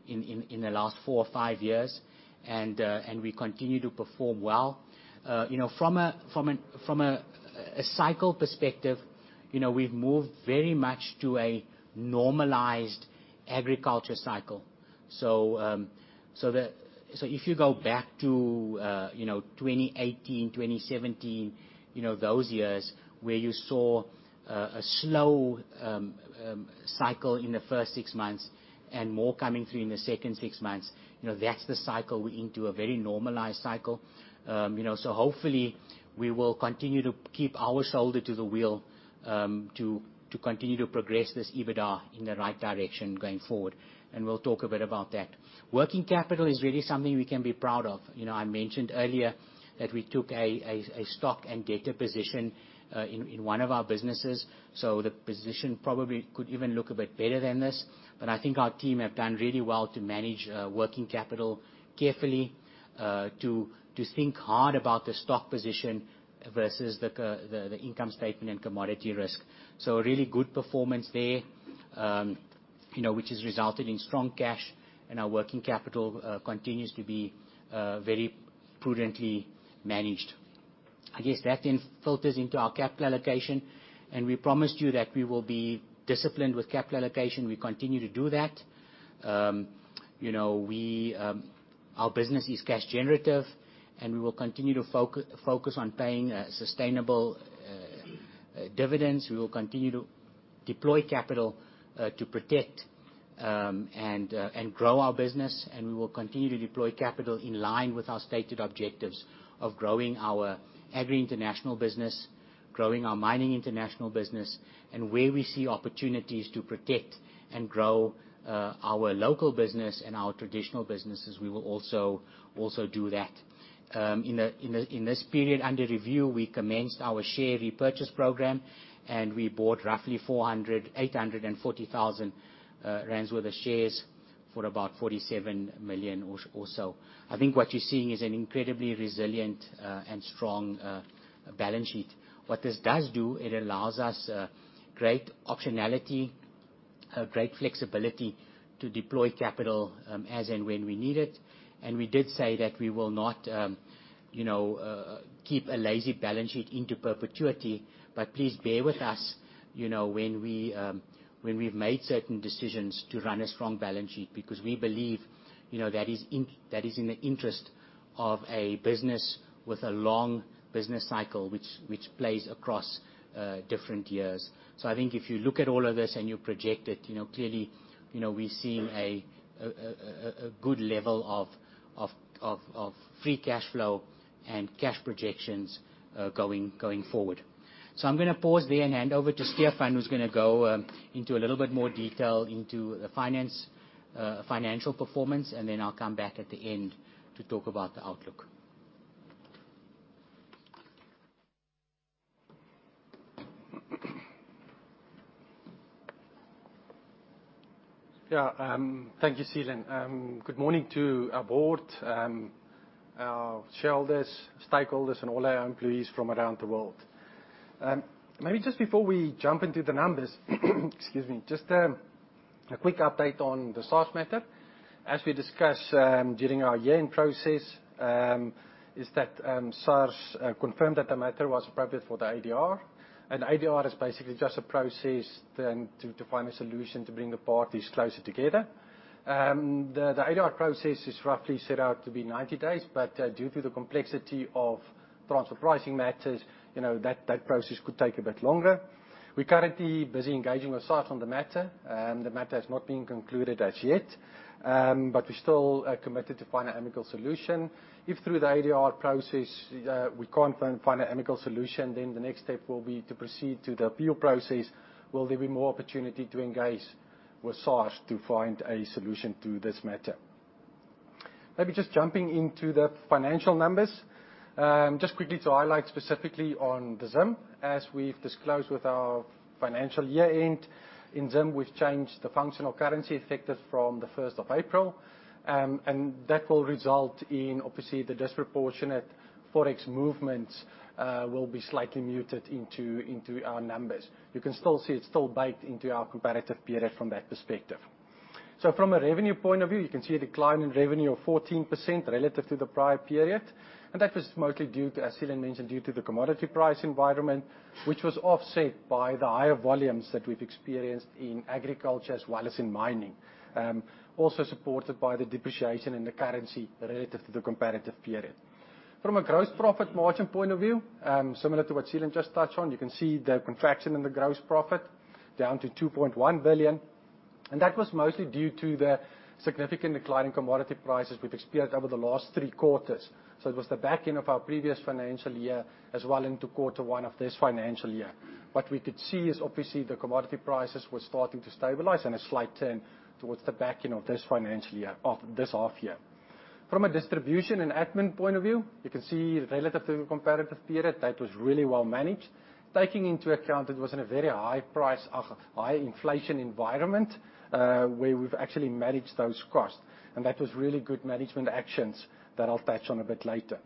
the last four or five years, and we continue to perform well. You know, from a cycle perspective, you know, we've moved very much to a normalized agriculture cycle. So, so if you go back to, you know, 2018, 2017, you know, those years, where you saw a, a, slow, cycle in the first six months and more coming through in the second six months, you know, that's the cycle we're into, a very normalized cycle. You know, so hopefully, we will continue to keep our shoulder to the wheel, to, to continue to progress this EBITDA in the right direction going forward. And we'll talk a bit about that. Working capital is really something we can be proud of. You know, I mentioned earlier that we took a, a, a stock and debtor position, in, in one of our businesses, so the position probably could even look a bit better than this. But I think our team have done really well to manage working capital carefully, to think hard about the stock position versus the income statement and commodity risk. So a really good performance there, you know, which has resulted in strong cash, and our working capital continues to be very prudently managed. I guess that then filters into our capital allocation, and we promised you that we will be disciplined with capital allocation. We continue to do that. You know, our business is cash generative, and we will continue to focus on paying sustainable dividends. We will continue to deploy capital to protect and grow our business. We will continue to deploy capital in line with our stated objectives of growing our agri international business, growing our mining international business, and where we see opportunities to protect and grow our local business and our traditional businesses, we will also do that. In this period under review, we commenced our share repurchase program, and we bought roughly 480,000 rand worth of shares for about 47 million or so. I think what you're seeing is an incredibly resilient and strong balance sheet. What this does do, it allows us great optionality, great flexibility to deploy capital as and when we need it. And we did say that we will not, you know, keep a lazy balance sheet into perpetuity, but please bear with us, you know, when we, when we've made certain decisions to run a strong balance sheet, because we believe, you know, that is in, that is in the interest of a business with a long business cycle, which plays across, different years. So I think if you look at all of this and you project it, you know, clearly, you know, we're seeing a good level of free cash flow and cash projections, going forward. So I'm gonna pause there and hand over to Stefan, who's gonna go, into a little bit more detail into the financial performance, and then I'll come back at the end to talk about the outlook. Yeah, thank you, Seelan. Good morning to our board, our shareholders, stakeholders, and all our employees from around the world. Maybe just before we jump into the numbers, excuse me, just a quick update on the SARS matter. As we discussed, during our year-end process, SARS confirmed that the matter was appropriate for the ADR. ADR is basically just a process then to find a solution to bring the parties closer together. The ADR process is roughly set out to be 90 days, but due to the complexity of transfer pricing matters, you know, that process could take a bit longer. We're currently busy engaging with SARS on the matter, and the matter has not been concluded as yet, but we're still committed to find an amicable solution. If through the ADR process we can't find an amicable solution, then the next step will be to proceed to the appeal process. Will there be more opportunity to engage with SARS to find a solution to this matter? Maybe just jumping into the financial numbers. Just quickly to highlight specifically on the Zim. As we've disclosed with our financial year-end, in Zim, we've changed the functional currency effective from April 1st. And that will result in obviously the disproportionate Forex movements will be slightly muted into our numbers. You can still see it's still baked into our comparative period from that perspective. So from a revenue point of view, you can see a decline in revenue of 14% relative to the prior period, and that was mostly due to, as Seelan mentioned, due to the commodity price environment, which was offset by the higher volumes that we've experienced in agriculture as well as in mining. Also supported by the depreciation in the currency relative to the comparative period. From a gross profit margin point of view, similar to what Seelan just touched on, you can see the contraction in the gross profit down to 2.1 billion, and that was mostly due to the significant decline in commodity prices we've experienced over the last three quarters. So it was the back end of our previous financial year, as well into quarter one of this financial year. What we could see is, obviously, the commodity prices were starting to stabilize and a slight turn towards the back end of this financial year, this half year. From a distribution and admin point of view, you can see relative to the comparative period, that was really well managed. Taking into account, it was in a very high price, high inflation environment, where we've actually managed those costs, and that was really good management actions that I'll touch on a bit later.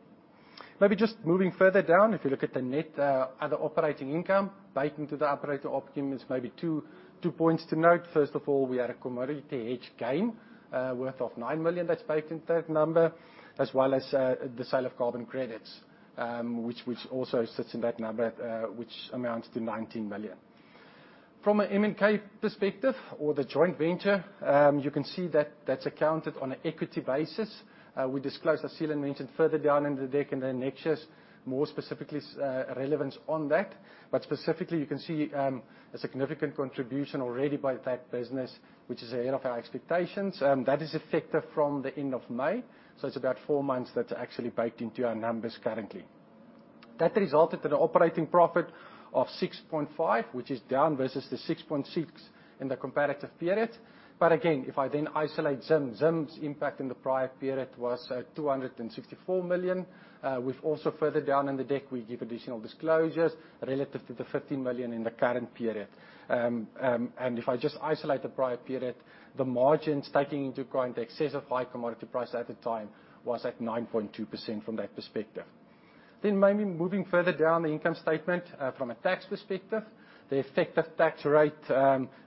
Maybe just moving further down, if you look at the net other operating income, back to the [operating] optimum is maybe two, two points to note. First of all, we had a commodity hedge gain worth of 9 million that's baked into that number, as well as the sale of carbon credits, which, which also sits in that number, which amounts to 19 million. From an MNK perspective or the joint venture, you can see that that's accounted on an equity basis. We disclosed, as Seelan mentioned, further down in the deck and the next slides, more specifically, relevance on that. But specifically, you can see a significant contribution already by that business, which is ahead of our expectations. That is effective from the end of May. So it's about four months that's actually baked into our numbers currently. That resulted in an operating profit of 6.5 million, which is down versus the 6.6 million in the comparative period. But again, if I then isolate Zim, Zim's impact in the prior period was 264 million. We've also further down in the deck, we give additional disclosures relative to the 50 million in the current period. And if I just isolate the prior period, the margins, taking into account the excessive high commodity price at the time, was at 9.2% from that perspective. Then maybe moving further down the income statement, from a tax perspective, the effective tax rate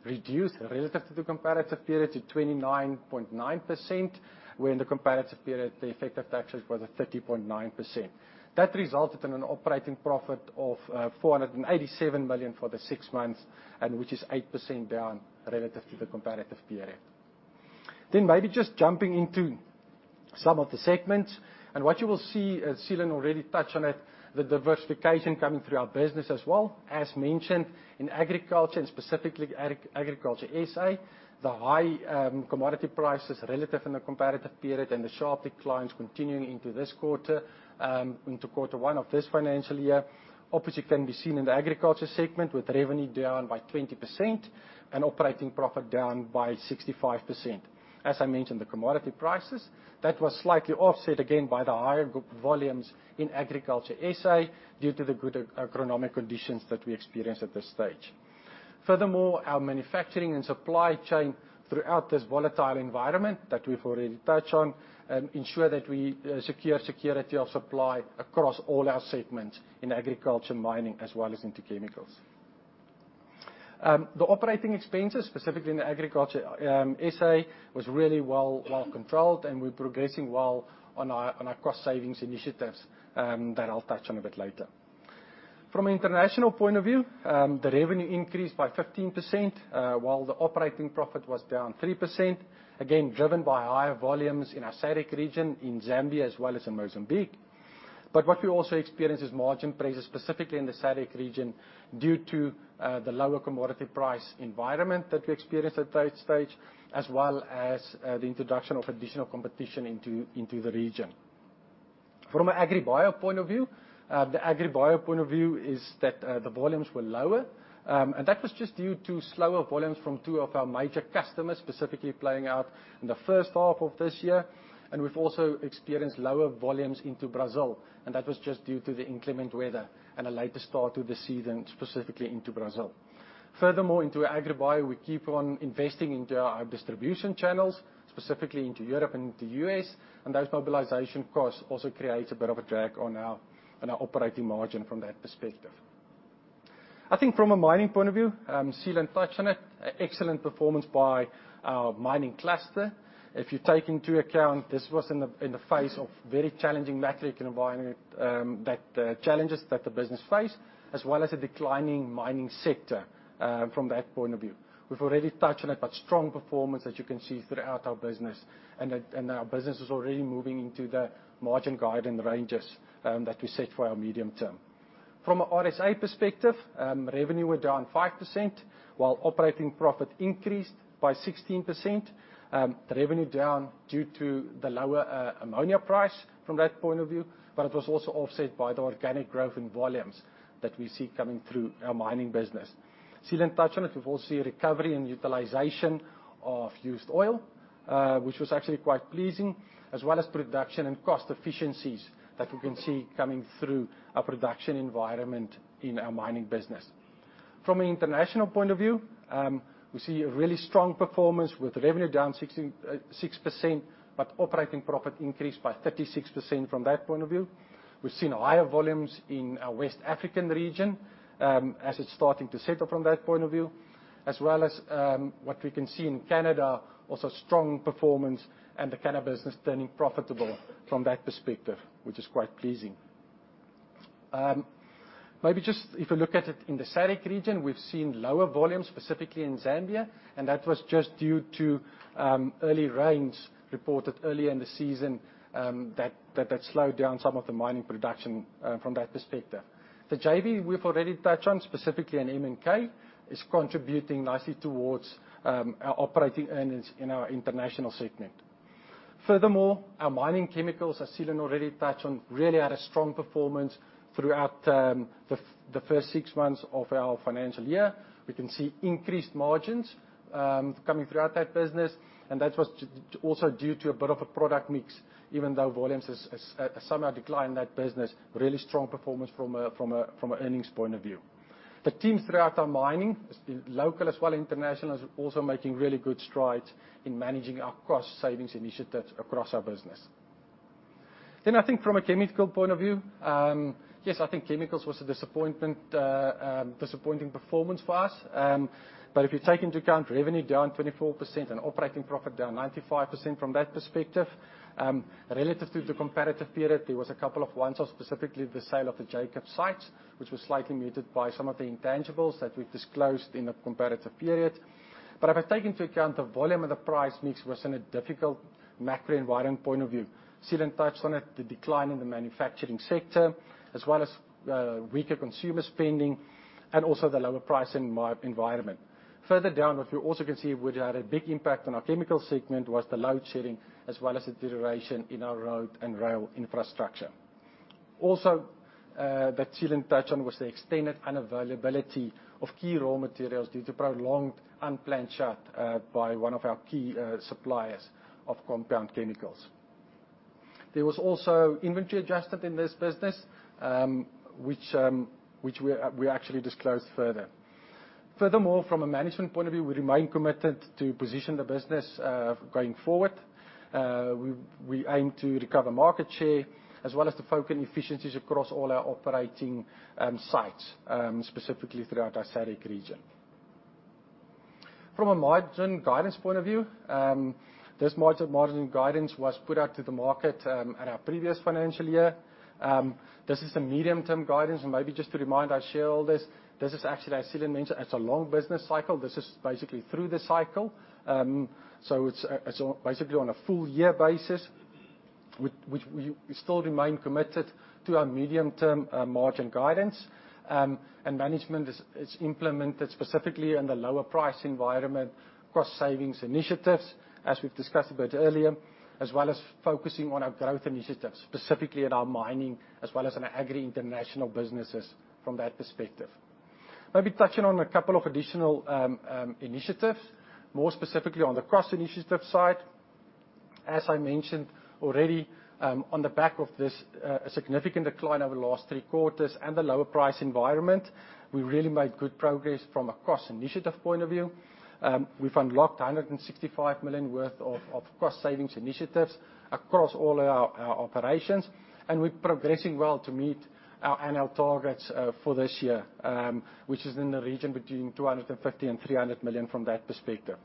reduced relative to the comparative period to 29.9%, where in the comparative period, the effective tax rate was at 30.9%. That resulted in an operating profit of 487 million for the six months, and which is 8% down relative to the comparative period. Then maybe just jumping into some of the segments, and what you will see, as Seelan already touched on it, the diversification coming through our business as well. As mentioned, in agriculture, and specifically Agriculture RSA, the high commodity prices relative in the comparative period and the sharp declines continuing into this quarter, into quarter one of this financial year, obviously, can be seen in the agriculture segment, with revenue down by 20% and operating profit down by 65%. As I mentioned, the commodity prices, that was slightly offset again by the higher group volumes in Agriculture RSA, due to the good economic conditions that we experience at this stage. Furthermore, our manufacturing and supply chain throughout this volatile environment that we've already touched on ensure that we secure security of supply across all our segments in agriculture, mining, as well as into chemicals. The operating expenses, specifically in the agriculture, SA, was really well controlled, and we're progressing well on our cost savings initiatives that I'll touch on a bit later. From an international point of view, the revenue increased by 15%, while the operating profit was down 3%, again, driven by higher volumes in our SADC region, in Zambia, as well as in Mozambique. But what we also experienced is margin pressures, specifically in the SADC region, due to the lower commodity price environment that we experienced at that stage, as well as the introduction of additional competition into the region. From an agriBio point of view, the agriBio point of view is that, the volumes were lower. And that was just due to slower volumes from two of our major customers, specifically playing out in the first half of this year. And we've also experienced lower volumes into Brazil, and that was just due to the inclement weather and a later start to the season, specifically into Brazil. Furthermore, into agriBio, we keep on investing into our distribution channels, specifically into Europe and into U.S., and those mobilization costs also creates a bit of a drag on our, on our operating margin from that perspective. I think from a mining point of view, Seelan touched on it, excellent performance by our mining cluster. If you take into account, this was in the face of very challenging macroeconomic environment, that challenges that the business face, as well as a declining mining sector, from that point of view. We've already touched on it, but strong performance, as you can see, throughout our business, and our business is already moving into the margin guidance ranges, that we set for our medium term. From a RSA perspective, revenue were down 5%, while operating profit increased by 16%. The revenue down due to the lower, ammonia price from that point of view, but it was also offset by the organic growth in volumes that we see coming through our mining business. Seelan touched on it. We've also seen recovery in utilization of used oil, which was actually quite pleasing, as well as production and cost efficiencies that we can see coming through our production environment in our mining business. From an international point of view, we see a really strong performance with revenue down 16.6%, but operating profit increased by 36% from that point of view. We've seen higher volumes in our West African region, as it's starting to settle from that point of view, as well as what we can see in Canada, also strong performance and the Canada business turning profitable from that perspective, which is quite pleasing. Maybe just if you look at it in the SADC region, we've seen lower volumes, specifically in Zambia, and that was just due to early rains reported early in the season, that slowed down some of the mining production, from that perspective. The JV we've already touched on, specifically in MNK, is contributing nicely towards our operating earnings in our international segment. Furthermore, our mining chemicals, as Seelan already touched on, really had a strong performance throughout the first six months of our financial year. We can see increased margins coming throughout that business, and that was also due to a bit of a product mix, even though volumes is somehow declined that business, really strong performance from an earnings point of view. The teams throughout our mining, local as well, international, is also making really good strides in managing our cost savings initiatives across our business. Then I think from a chemical point of view, yes, I think chemicals was a disappointment, disappointing performance for us. But if you take into account revenue down 24% and operating profit down 95% from that perspective, relative to the comparative period, there was a couple of ones, or specifically the sale of the Jacobs sites, which was slightly muted by some of the intangibles that we've disclosed in the comparative period. But if I take into account the volume and the price mix was in a difficult macro environment point of view. Seelan touched on it, the decline in the manufacturing sector, as well as weaker consumer spending, and also the lower price environment. Further down, what you also can see, which had a big impact on our chemical segment, was the load shedding, as well as the deterioration in our road and rail infrastructure. Also, that Seelan touched on was the extended unavailability of key raw materials due to prolonged unplanned shutdown by one of our key suppliers of compound chemicals. There was also inventory adjusted in this business, which we actually disclosed further. Furthermore, from a management point of view, we remain committed to position the business going forward. We aim to recover market share, as well as to focus on efficiencies across all our operating sites, specifically throughout our SADC region. From a margin guidance point of view, this margin guidance was put out to the market at our previous financial year. This is a medium-term guidance, and maybe just to remind our shareholders, this is actually, as Seelan mentioned, it's a long business cycle. This is basically through the cycle. So it's basically on a full year basis, which we still remain committed to our medium-term margin guidance. And management is implemented specifically in the lower price environment, cost savings initiatives, as we've discussed a bit earlier, as well as focusing on our growth initiatives, specifically in our mining, as well as in agri international businesses from that perspective. Maybe touching on a couple of additional initiatives, more specifically on the cost initiative side. As I mentioned already, on the back of this significant decline over the last three quarters and the lower price environment, we really made good progress from a cost initiative point of view. We've unlocked 165 million worth of cost savings initiatives across all our operations, and we're progressing well to meet our annual targets for this year, which is in the region between 250 million and 300 million from that perspective.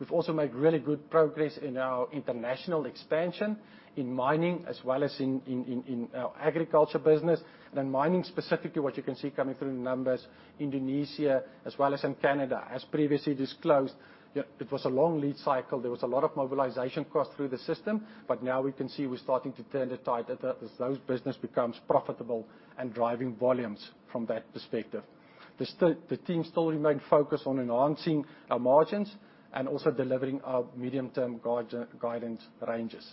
We've also made really good progress in our international expansion in mining, as well as in our agriculture business. And in mining, specifically, what you can see coming through the numbers, Indonesia, as well as in Canada. As previously disclosed, yeah, it was a long lead cycle. There was a lot of mobilization costs through the system, but now we can see we're starting to turn the tide, as those business becomes profitable and driving volumes from that perspective. The team still remain focused on enhancing our margins and also delivering our medium-term guidance ranges.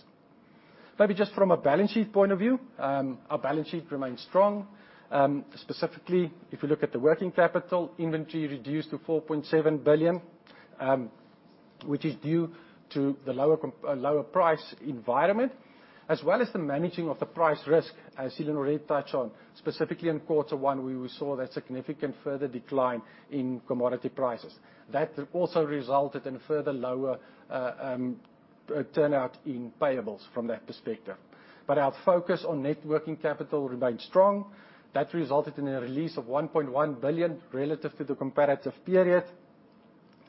Maybe just from a balance sheet point of view, our balance sheet remains strong. Specifically, if you look at the working capital, inventory reduced to 4.7 billion, which is due to the lower price environment, as well as the managing of the price risk, as Seelan already touched on. Specifically in quarter one, where we saw that significant further decline in commodity prices. That also resulted in a further lower turnout in payables from that perspective. But our focus on net working capital remains strong. That resulted in a release of 1.1 billion relative to the comparative period.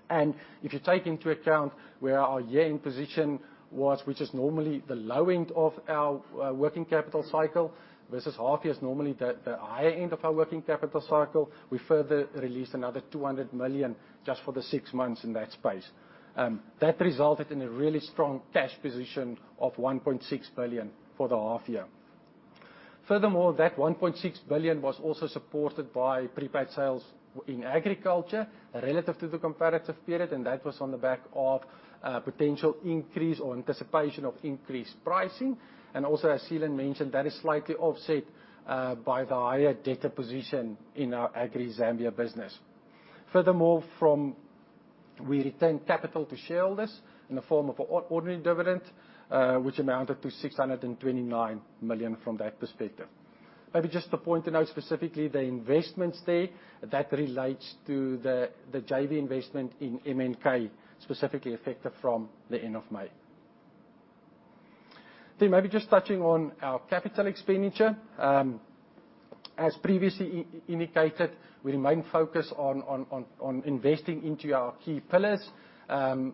If you take into account where our year-end position was, which is normally the low end of our working capital cycle, versus half year is normally the higher end of our working capital cycle, we further released another 200 million just for the six months in that space. That resulted in a really strong cash position of 1.6 billion for the half year. Furthermore, that 1.6 billion was also supported by prepaid sales in agriculture relative to the comparative period, and that was on the back of potential increase or anticipation of increased pricing. And also, as Seelan mentioned, that is slightly offset by the higher debtor position in our Agri Zambia business. Furthermore, we returned capital to shareholders in the form of an ordinary dividend, which amounted to 629 million from that perspective. Maybe just to point out, specifically, the investments there, that relates to the JV investment in MNK, specifically effective from the end of May. Then maybe just touching on our capital expenditure. As previously indicated, we remain focused on investing into our key pillars. And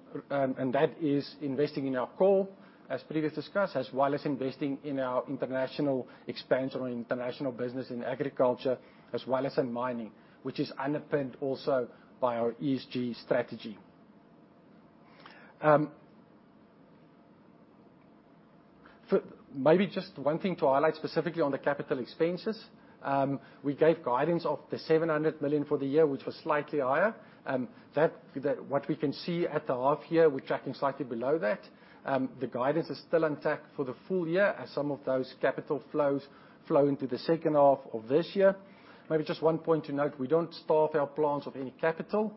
that is investing in our core, as previously discussed, as well as investing in our international expansion or international business in agriculture, as well as in mining, which is underpinned also by our ESG strategy. Maybe just one thing to highlight specifically on the capital expenses. We gave guidance of 700 million for the year, which was slightly higher. What we can see at the half year, we're tracking slightly below that. The guidance is still intact for the full year, as some of those capital flows flow into the second half of this year. Maybe just one point to note, we don't starve our plans of any capital,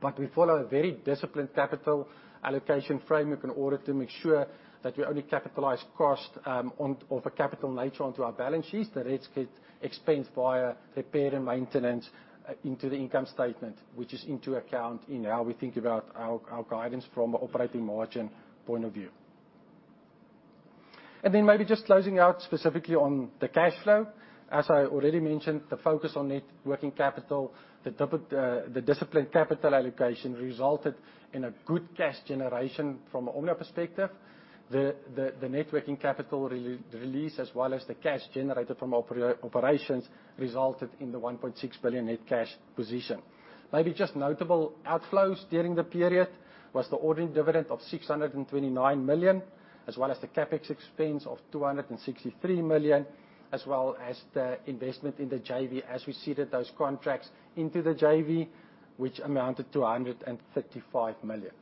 but we follow a very disciplined capital allocation framework in order to make sure that we only capitalize cost, on, of a capital nature onto our balance sheet. The rest get expensed via repair and maintenance into the income statement, which is into account in how we think about our, our guidance from an operating margin point of view. And then maybe just closing out specifically on the cash flow. As I already mentioned, the focus on net working capital, the dip of... The disciplined capital allocation resulted in a good cash generation from an Omnia perspective. The net working capital release, as well as the cash generated from operations, resulted in the 1.6 billion net cash position. Maybe just notable outflows during the period was the ordinary dividend of 629 million, as well as the CapEx expense of 263 million, as well as the investment in the JV, as we ceded those contracts into the JV, which amounted to 135 million.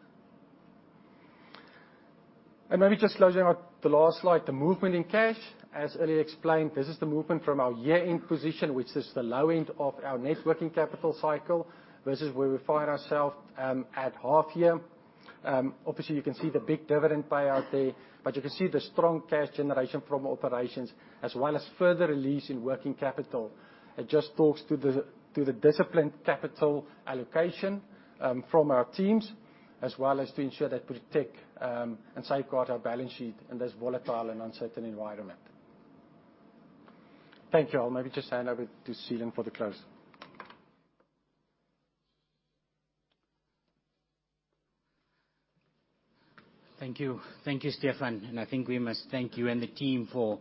Maybe just closing out the last slide, the movement in cash. As earlier explained, this is the movement from our year-end position, which is the low end of our net working capital cycle, versus where we find ourselves at half year. Obviously, you can see the big dividend payout there, but you can see the strong cash generation from operations, as well as further release in working capital. It just talks to the, to the disciplined capital allocation, from our teams, as well as to ensure that we protect, and safeguard our balance sheet in this volatile and uncertain environment. Thank you all. Maybe just hand over to Seelan for the close. Thank you. Thank you, Stefan, and I think we must thank you and the team for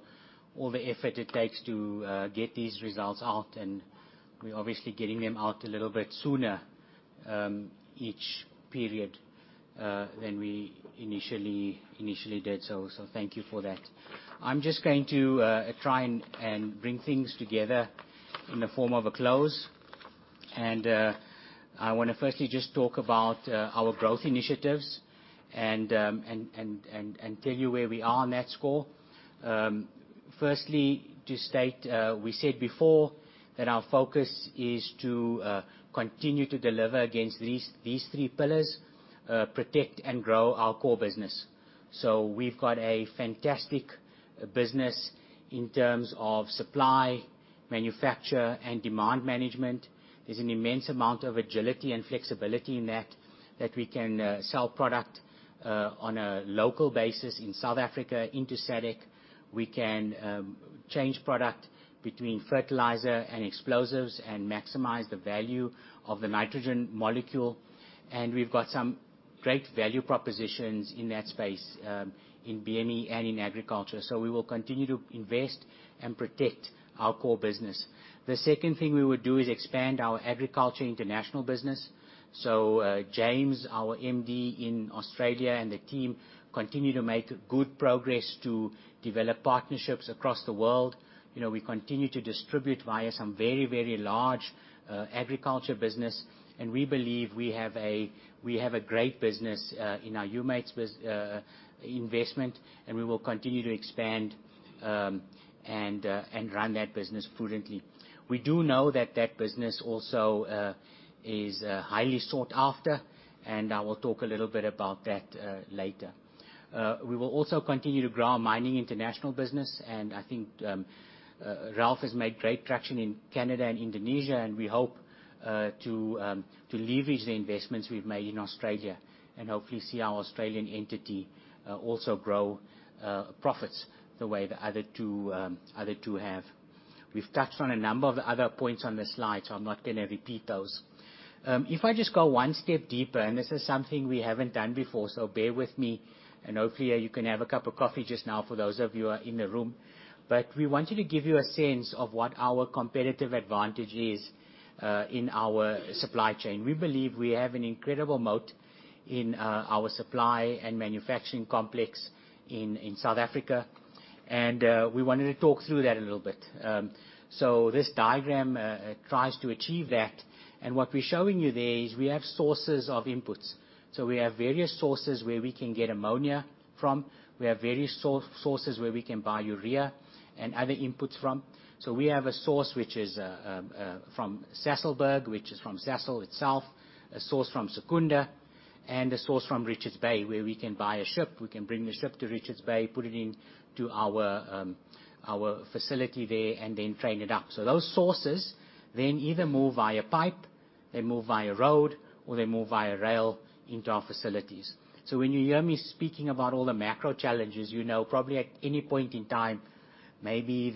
all the effort it takes to get these results out, and we're obviously getting them out a little bit sooner each period than we initially did, so thank you for that. I'm just going to try and bring things together in the form of a close. I wanna firstly just talk about our growth initiatives and tell you where we are on that score. Firstly, to state, we said before that our focus is to continue to deliver against these three pillars, protect and grow our core business. So we've got a fantastic business in terms of supply, manufacture, and demand management. There's an immense amount of agility and flexibility in that, that we can sell product on a local basis in South Africa, into SADC. We can change product between fertilizer and explosives, and maximize the value of the nitrogen molecule, and we've got great value propositions in that space in BME and in agriculture. So we will continue to invest and protect our core business. The second thing we would do is expand our agriculture international business. So James, our MD in Australia, and the team continue to make good progress to develop partnerships across the world. You know, we continue to distribute via some very, very large agriculture business, and we believe we have a great business in our Humates investment, and we will continue to expand and run that business prudently. We do know that that business also is highly sought after, and I will talk a little bit about that later. We will also continue to grow our mining international business, and I think Ralf has made great traction in Canada and Indonesia, and we hope to leverage the investments we've made in Australia and hopefully see our Australian entity also grow profits the way the other two have. We've touched on a number of the other points on the slide, so I'm not gonna repeat those. If I just go one step deeper, and this is something we haven't done before, so bear with me, and hopefully you can have a cup of coffee just now for those of you who are in the room. But we wanted to give you a sense of what our competitive advantage is in our supply chain. We believe we have an incredible moat in our supply and manufacturing complex in South Africa, and we wanted to talk through that a little bit. So this diagram tries to achieve that, and what we're showing you there is we have sources of inputs. So we have various sources where we can get ammonia from. We have various sources where we can buy urea and other inputs from. So we have a source which is from Sasolburg, which is from Sasol itself, a source from Secunda, and a source from Richards Bay, where we can buy a ship. We can bring the ship to Richards Bay, put it into our facility there, and then train it up. So those sources then either move via pipe, they move via road, or they move via rail into our facilities. So when you hear me speaking about all the macro challenges, you know, probably at any point in time, maybe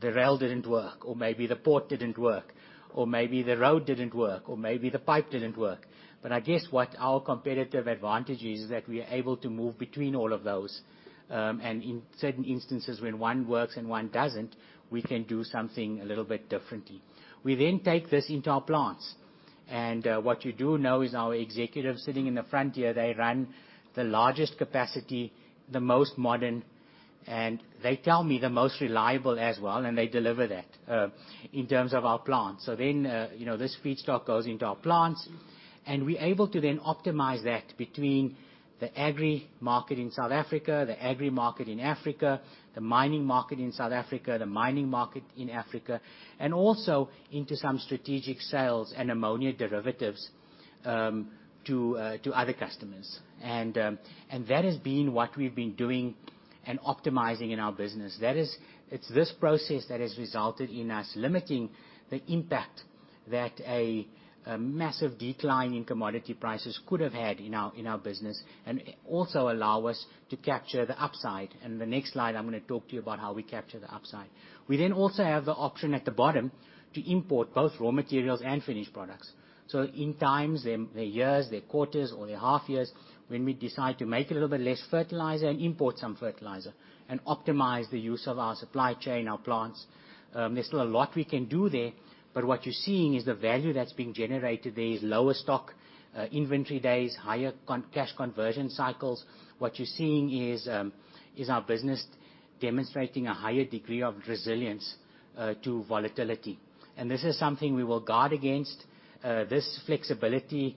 the rail didn't work, or maybe the port didn't work, or maybe the road didn't work, or maybe the pipe didn't work. But I guess what our competitive advantage is, is that we are able to move between all of those, and in certain instances, when one works and one doesn't, we can do something a little bit differently. We then take this into our plants, and what you do know is our executives sitting in the front here, they run the largest capacity, the most modern, and they tell me the most reliable as well, and they deliver that, in terms of our plants. So then, you know, this feedstock goes into our plants, and we're able to then optimize that between the agri market in South Africa, the agri market in Africa, the mining market in South Africa, the mining market in Africa, and also into some strategic sales and ammonia derivatives to other customers. And, and that has been what we've been doing and optimizing in our business. That is. It's this process that has resulted in us limiting the impact that a massive decline in commodity prices could have had in our business, and it also allow us to capture the upside. And the next slide, I'm gonna talk to you about how we capture the upside. We then also have the option at the bottom to import both raw materials and finished products. So in times, there are years, there are quarters, or there are half years, when we decide to make a little bit less fertilizer and import some fertilizer and optimize the use of our supply chain, our plants. There's still a lot we can do there, but what you're seeing is the value that's being generated there is lower stock, inventory days, higher cash conversion cycles. What you're seeing is, is our business demonstrating a higher degree of resilience, to volatility. And this is something we will guard against. This flexibility,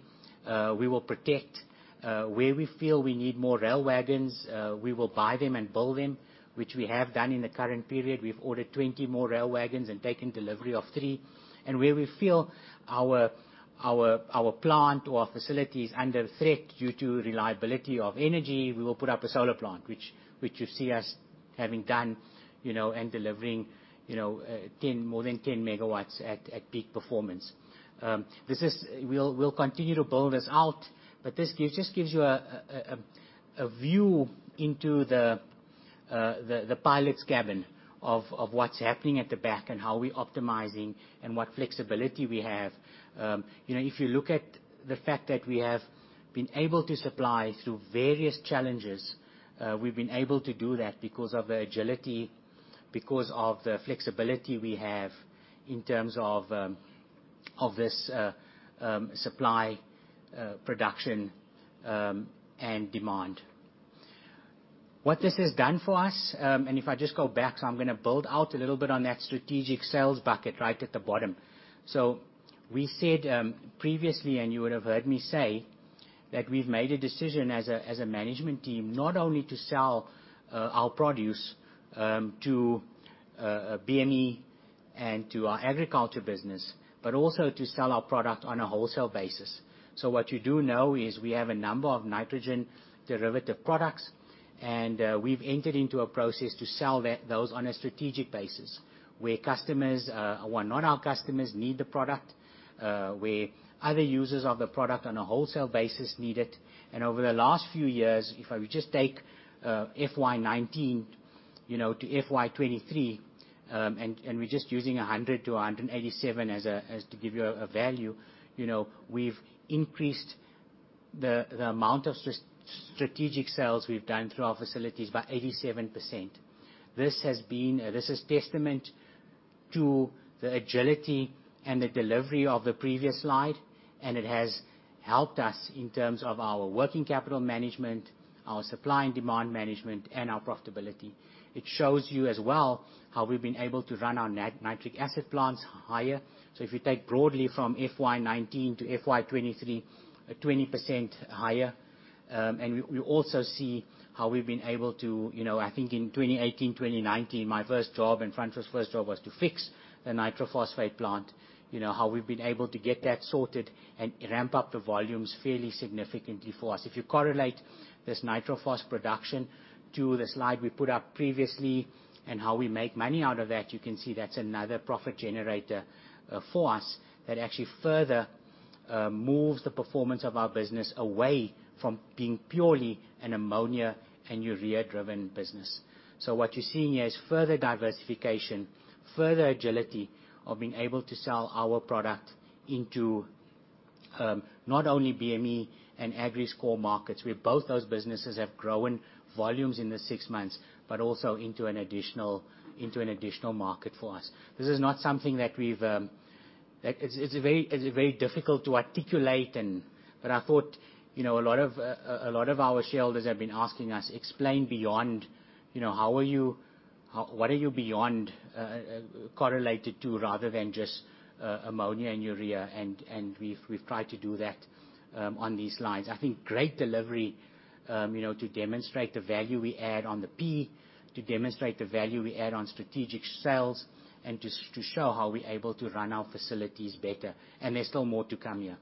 we will protect. Where we feel we need more rail wagons, we will buy them and build them, which we have done in the current period. We've ordered 20 more rail wagons and taken delivery of three. Where we feel our plant or our facility is under threat due to reliability of energy, we will put up a solar plant, which you see us having done, you know, and delivering, you know, 10, more than 10 MW at peak performance. This is. We'll continue to build this out, but this gives you a view into the pilot's cabin of what's happening at the back and how we're optimizing and what flexibility we have. You know, if you look at the fact that we have been able to supply through various challenges, we've been able to do that because of the agility, because of the flexibility we have in terms of this supply production and demand. What this has done for us, and if I just go back, so I'm gonna build out a little bit on that strategic sales bucket right at the bottom. So we said, previously, and you would have heard me say, that we've made a decision as a management team, not only to sell our produce to BME and to our agriculture business, but also to sell our product on a wholesale basis. So what you do know is we have a number of nitrogen derivative products, and we've entered into a process to sell that, those on a strategic basis, where customers or non-our customers need the product, where other users of the product on a wholesale basis need it. And over the last few years, if I would just take FY 2019, you know, to FY 2023, and we're just using 100-187 as a, as to give you a value. You know, we've increased the amount of strategic sales we've done through our facilities by 87%. This has been a—this is testament to the agility and the delivery of the previous slide, and it has helped us in terms of our working capital management, our supply and demand management, and our profitability. It shows you as well how we've been able to run our nitric acid plants higher. So if you take broadly from FY 2019 to FY 2023, 20% higher. And we also see how we've been able to, you know, I think in 2018, 2019, my first job and Francois' first job was to fix the nitrophosphate plant. You know, how we've been able to get that sorted and ramp up the volumes fairly significantly for us. If you correlate this nitrophos production to the slide we put up previously, and how we make money out of that, you can see that's another profit generator for us, that actually further moves the performance of our business away from being purely an ammonia and urea-driven business. So what you're seeing here is further diversification, further agility of being able to sell our product into not only BME and agri core markets, where both those businesses have grown volumes in the six months, but also into an additional, into an additional market for us. This is not something that we've... It's very difficult to articulate and—but I thought, you know, a lot of our shareholders have been asking us, "Explain beyond, you know, how are you—what are you beyond correlated to, rather than just ammonia and urea?" And we've tried to do that on these slides. I think great delivery, you know, to demonstrate the value we add on the P, to demonstrate the value we add on strategic sales, and to show how we're able to run our facilities better, and there's still more to come here.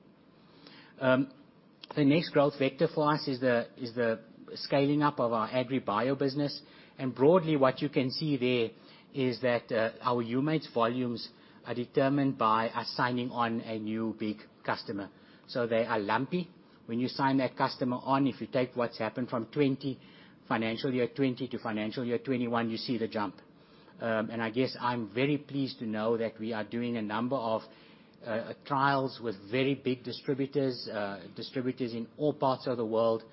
The next growth vector for us is the scaling up of our agriBio business, and broadly, what you can see there is that our humates volumes are determined by us signing on a new big customer. So they are lumpy. When you sign that customer on, if you take what's happened from 2020, financial year 2020 to financial year 2021, you see the jump. And I guess I'm very pleased to know that we are doing a number of trials with very big distributors, distributors in all parts of the world.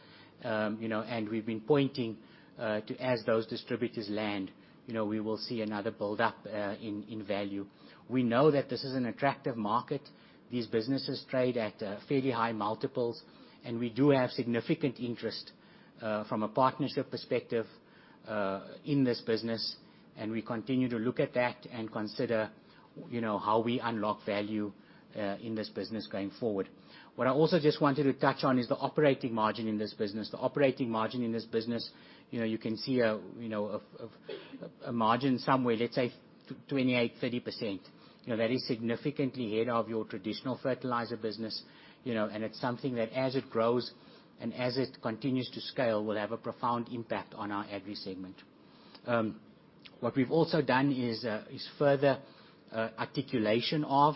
You know, and we've been pointing to as those distributors land, you know, we will see another build-up in value. We know that this is an attractive market. These businesses trade at fairly high multiples, and we do have significant interest from a partnership perspective in this business, and we continue to look at that and consider, you know, how we unlock value in this business going forward. What I also just wanted to touch on is the operating margin in this business. The operating margin in this business, you know, you can see a margin somewhere, let's say 28%-30%. You know, that is significantly ahead of your traditional fertilizer business, you know, and it's something that as it grows and as it continues to scale, will have a profound impact on our agri segment. What we've also done is further articulation of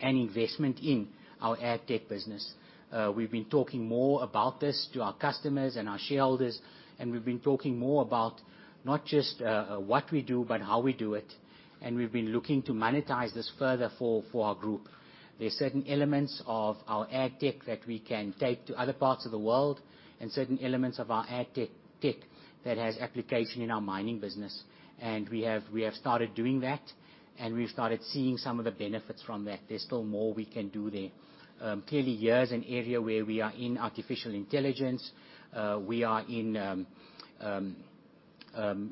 an investment in our AgTech business. We've been talking more about this to our customers and our shareholders, and we've been talking more about not just what we do, but how we do it, and we've been looking to monetize this further for our group. There are certain elements of our AgTech that we can take to other parts of the world, and certain elements of our AgTech tech that has application in our mining business, and we have, we have started doing that, and we've started seeing some of the benefits from that. There's still more we can do there. Clearly, here is an area where we are in artificial intelligence. We are in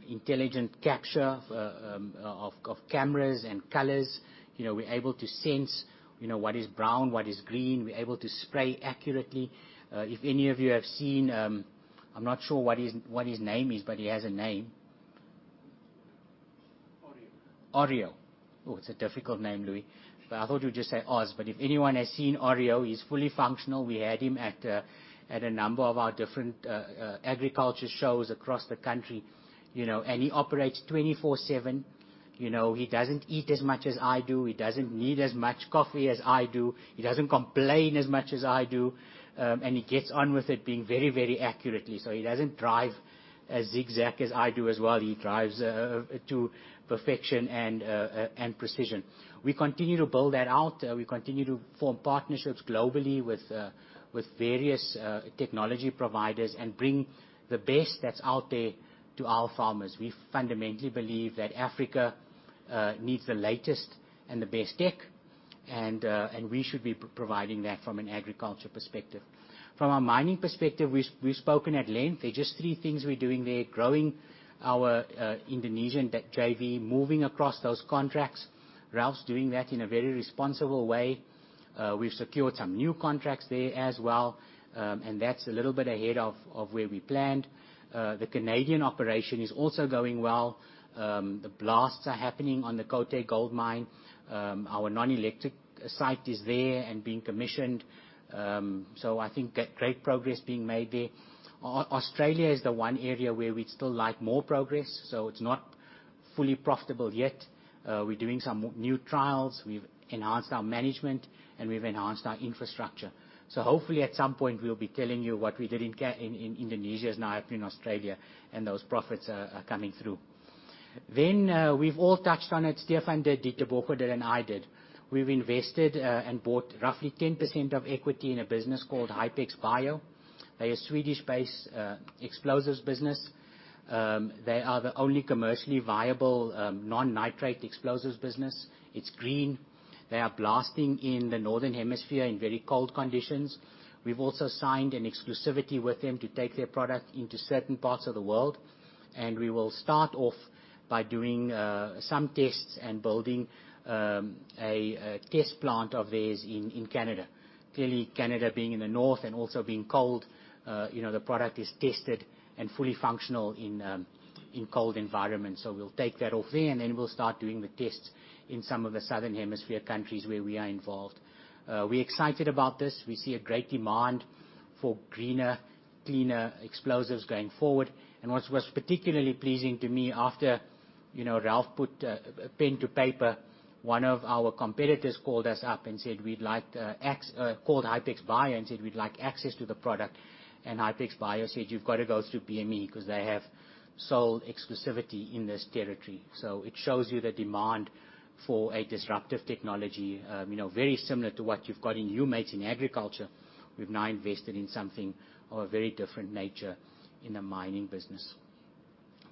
intelligent capture of cameras and colors. You know, we're able to sense, you know, what is brown, what is green. We're able to spray accurately. If any of you have seen, I'm not sure what his, what his name is, but he has a name. Orio. Oh, it's a difficult name, Louis, but I thought you would just say Oz. But if anyone has seen Orio, he's fully functional. We had him at a number of our different agriculture shows across the country, you know, and he operates 24/7. You know, he doesn't eat as much as I do, he doesn't need as much coffee as I do, he doesn't complain as much as I do, and he gets on with it being very, very accurately. So he doesn't drive as zigzag as I do as well. He drives to perfection and precision. We continue to build that out. We continue to form partnerships globally with various technology providers and bring the best that's out there to our farmers. We fundamentally believe that Africa needs the latest and the best tech, and we should be providing that from an agriculture perspective. From a mining perspective, we've spoken at length. There are just three things we're doing there: growing our Indonesian joint venture, moving across those contracts. Ralf doing that in a very responsible way. We've secured some new contracts there as well, and that's a little bit ahead of where we planned. The Canadian operation is also going well. The blasts are happening on the Côté Gold Mine. Our non-electric site is there and being commissioned. So I think that great progress being made there. Australia is the one area where we'd still like more progress, so it's not fully profitable yet. We're doing some new trials, we've enhanced our management, and we've enhanced our infrastructure. Hopefully, at some point, we'll be telling you what we did in Canada in Indonesia is now up in Australia, and those profits are coming through. We've all touched on it, Stefan did, Ditebogo did, and I did. We've invested and bought roughly 10% of equity in a business called Hypex Bio. They are a Swedish-based explosives business. They are the only commercially viable non-nitrate explosives business. It's green. They are blasting in the northern hemisphere in very cold conditions. We've also signed an exclusivity with them to take their product into certain parts of the world, and we will start off by doing some tests and building a test plant of theirs in Canada. Clearly, Canada being in the north and also being cold, you know, the product is tested and fully functional in cold environments. So we'll take that off there, and then we'll start doing the tests in some of the Southern Hemisphere countries where we are involved. We're excited about this. We see a great demand for greener, cleaner explosives going forward. And what was particularly pleasing to me, after, you know, Ralf put pen to paper, one of our competitors called Hypex Bio and said, "We'd like access to the product." And Hypex Bio said, "You've got to go through BME," because they have sole exclusivity in this territory. So it shows you the demand for a disruptive technology, you know, very similar to what you've got in humate in agriculture. We've now invested in something of a very different nature in the mining business.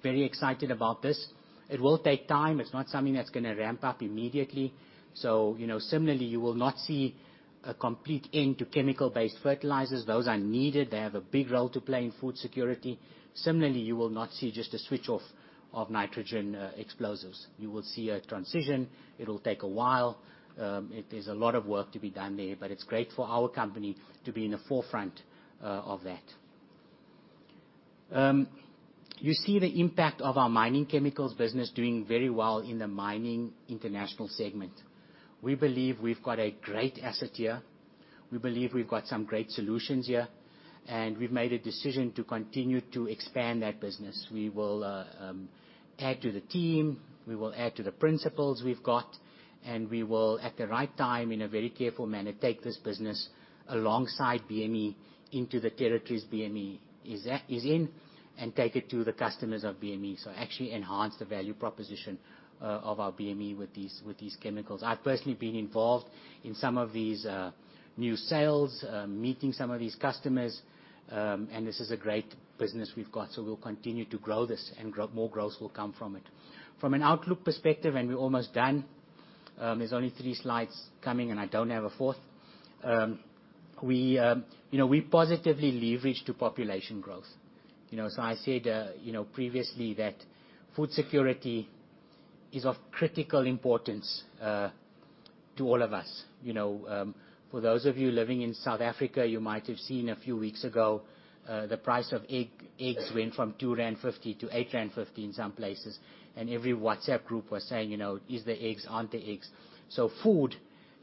Very excited about this. It will take time. It's not something that's gonna ramp up immediately. So, you know, similarly, you will not see a complete end to chemical-based fertilizers. Those are needed. They have a big role to play in food security. Similarly, you will not see just a switch off of nitrogen explosives. You will see a transition. It'll take a while. There's a lot of work to be done there, but it's great for our company to be in the forefront of that. You see the impact of our mining chemicals business doing very well in the mining international segment. We believe we've got a great asset here. We believe we've got some great solutions here, and we've made a decision to continue to expand that business. We will add to the team, we will add to the principals we've got, and we will, at the right time, in a very careful manner, take this business alongside BME into the territories BME is in, and take it to the customers of BME. So actually enhance the value proposition of our BME with these, with these chemicals. I've personally been involved in some of these new sales, meeting some of these customers, and this is a great business we've got, so we'll continue to grow this and grow, more growth will come from it. From an outlook perspective, and we're almost done, there's only three slides coming, and I don't have a fourth. You know, we positively leverage to population growth. You know, so I said, you know, previously that food security is of critical importance to all of us. You know, for those of you living in South Africa, you might have seen a few weeks ago, the price of eggs went from 2.50 rand to 8.50 rand in some places, and every WhatsApp group was saying, you know, "Is there eggs? Aren't there eggs?" So food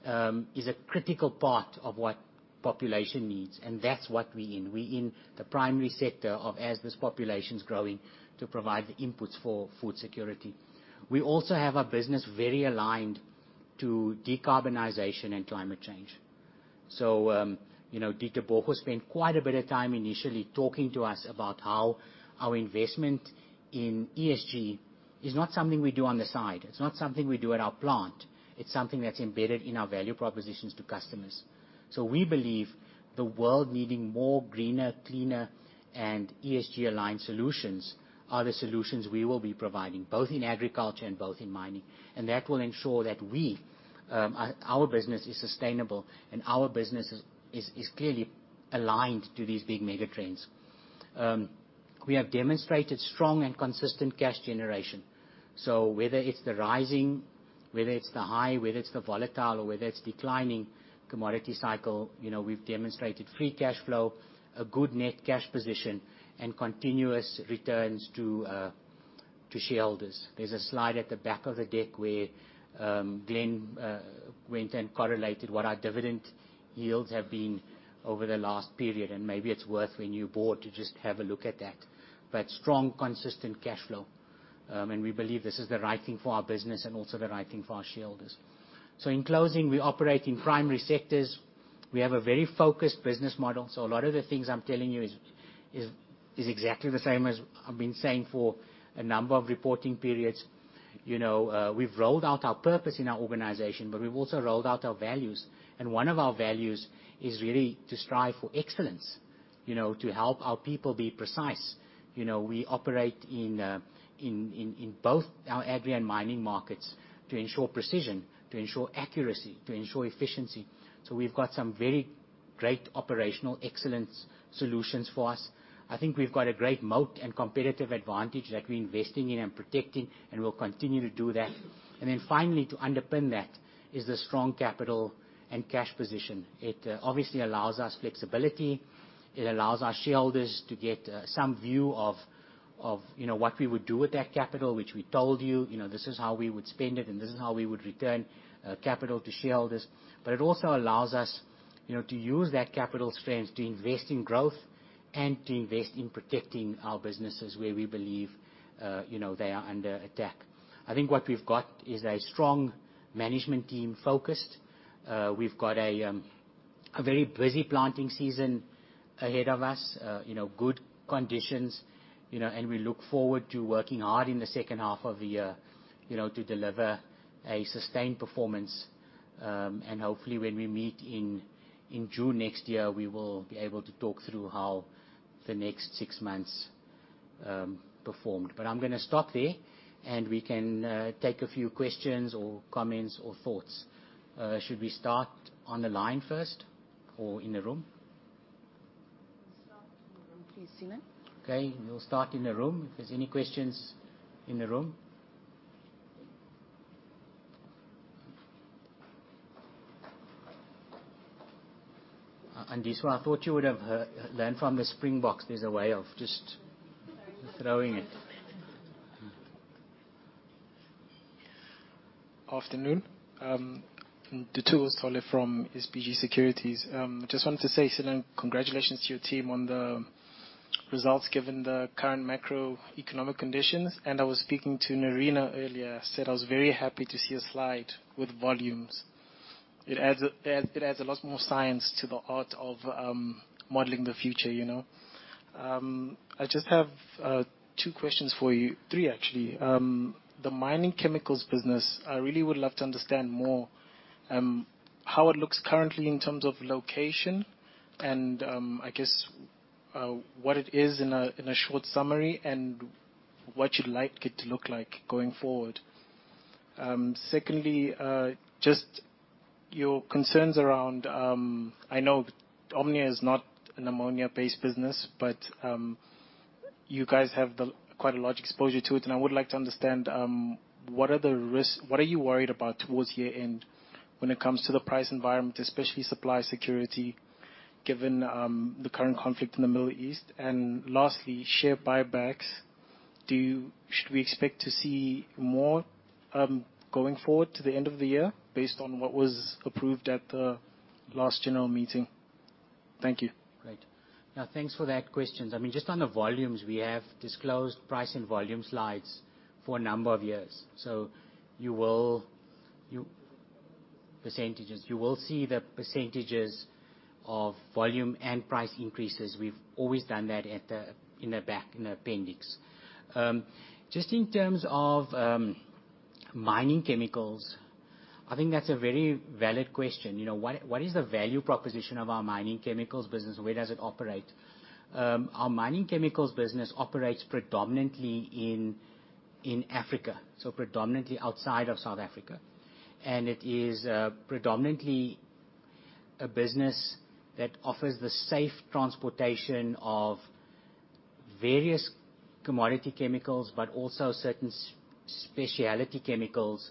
is a critical part of what population needs, and that's what we're in. We're in the primary sector of, as this population is growing, to provide the inputs for food security. We also have our business very aligned to decarbonization and climate change. So, you know, Ditebogo spent quite a bit of time initially talking to us about how our investment in ESG is not something we do on the side. It's not something we do at our plant. It's something that's embedded in our value propositions to customers. So we believe the world needing more greener, cleaner, and ESG-aligned solutions are the solutions we will be providing, both in agriculture and both in mining. And that will ensure that we, our business is sustainable and our business is clearly aligned to these big mega trends. We have demonstrated strong and consistent cash generation. So whether it's the rising, whether it's the high, whether it's the volatile, or whether it's declining commodity cycle, you know, we've demonstrated free cash flow, a good net cash position, and continuous returns to shareholders. There's a slide at the back of the deck where, Glen, went and correlated what our dividend yields have been over the last period, and maybe it's worth, when you board, to just have a look at that. But strong, consistent cashflow. And we believe this is the right thing for our business and also the right thing for our shareholders. So in closing, we operate in primary sectors. We have a very focused business model, so a lot of the things I'm telling you is exactly the same as I've been saying for a number of reporting periods. You know, we've rolled out our purpose in our organization, but we've also rolled out our values, and one of our values is really to strive for excellence, you know, to help our people be precise. You know, we operate in both our agri and mining markets to ensure precision, to ensure accuracy, to ensure efficiency. So we've got some very great operational excellence solutions for us. I think we've got a great moat and competitive advantage that we're investing in and protecting, and we'll continue to do that. And then finally, to underpin that is the strong capital and cash position. It obviously allows us flexibility; it allows our shareholders to get some view of, you know, what we would do with that capital, which we told you, you know, this is how we would spend it, and this is how we would return capital to shareholders. But it also allows us, you know, to use that capital strength to invest in growth and to invest in protecting our businesses where we believe, you know, they are under attack. I think what we've got is a strong management team, focused. We've got a very busy planting season ahead of us. You know, good conditions, you know, and we look forward to working hard in the second half of the year, you know, to deliver a sustained performance. And hopefully, when we meet in June next year, we will be able to talk through how the next six months performed. But I'm gonna stop there, and we can take a few questions or comments or thoughts. Should we start on the line first or in the room? We'll start in the room, please, Seelan. Okay, we'll start in the room. If there's any questions in the room? And Andiswa, I thought you would have learned from the Springboks. There's a way of just throwing it. Afternoon. [Ntokozo] from SBG Securities. Just wanted to say, Dylan, congratulations to your team on the results, given the current macroeconomic conditions, and I was speaking to Nerina earlier, said I was very happy to see a slide with volumes. It adds a lot more science to the art of modeling the future, you know? I just have two questions for you. Three, actually. The mining chemicals business, I really would love to understand more, how it looks currently in terms of location and, I guess, what it is in a short summary, and what you'd like it to look like going forward. Secondly, just your concerns around... I know Omnia is not an ammonia-based business, but you guys have quite a large exposure to it, and I would like to understand what are the risks? What are you worried about towards year-end when it comes to the price environment, especially supply security, given the current conflict in the Middle East? And lastly, share buybacks. Should we expect to see more going forward to the end of the year based on what was approved at the last general meeting? Thank you. Great. Now, thanks for that question. I mean, just on the volumes, we have disclosed price and volume slides for a number of years. So you will see the percentages of volume and price increases. We've always done that at the, in the back, in the appendix. Just in terms of mining chemicals, I think that's a very valid question. You know, what is the value proposition of our mining chemicals business, and where does it operate? Our mining chemicals business operates predominantly in Africa, so predominantly outside of South Africa. And it is predominantly a business that offers the safe transportation of various commodity chemicals, but also certain specialty chemicals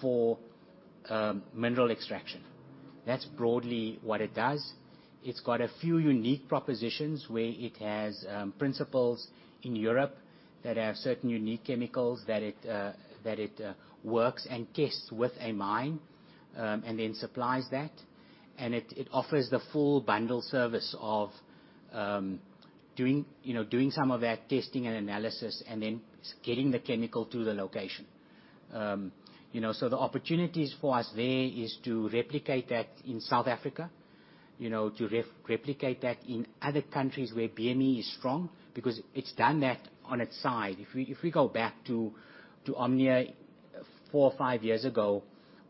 for mineral extraction. That's broadly what it does. It's got a few unique propositions where it has principals in Europe that have certain unique chemicals that it works and tests with a mine and then supplies that. It offers the full bundle service of doing you know some of that testing and analysis and then getting the chemical to the location. You know, so the opportunities for us there is to replicate that in South Africa, you know, to replicate that in other countries where BME is strong, because it's done that on its side. If we go back to Omnia four or five years ago,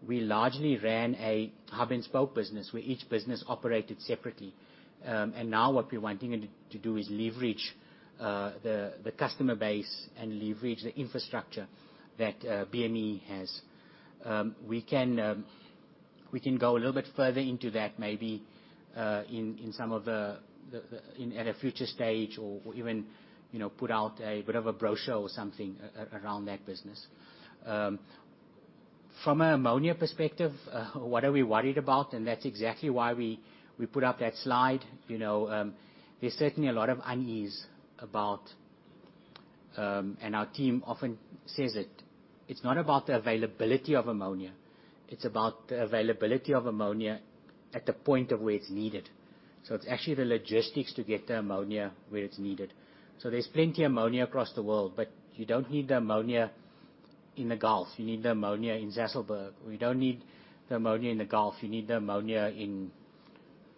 we largely ran a hub-and-spoke business, where each business operated separately. Now what we're wanting it to do is leverage the customer base and leverage the infrastructure that BME has. We can go a little bit further into that, maybe, in some of the. In at a future stage or, or even, you know, put out a bit of a brochure or something around that business. From an ammonia perspective, what are we worried about? And that's exactly why we put up that slide. You know, there's certainly a lot of unease about -- and our team often says it. It's not about the availability of ammonia, it's about the availability of ammonia at the point of where it's needed. So it's actually the logistics to get the ammonia where it's needed. So there's plenty ammonia across the world, but you don't need the ammonia in the Gulf. You need the ammonia in Sasolburg. We don't need the ammonia in the Gulf. You need the ammonia in,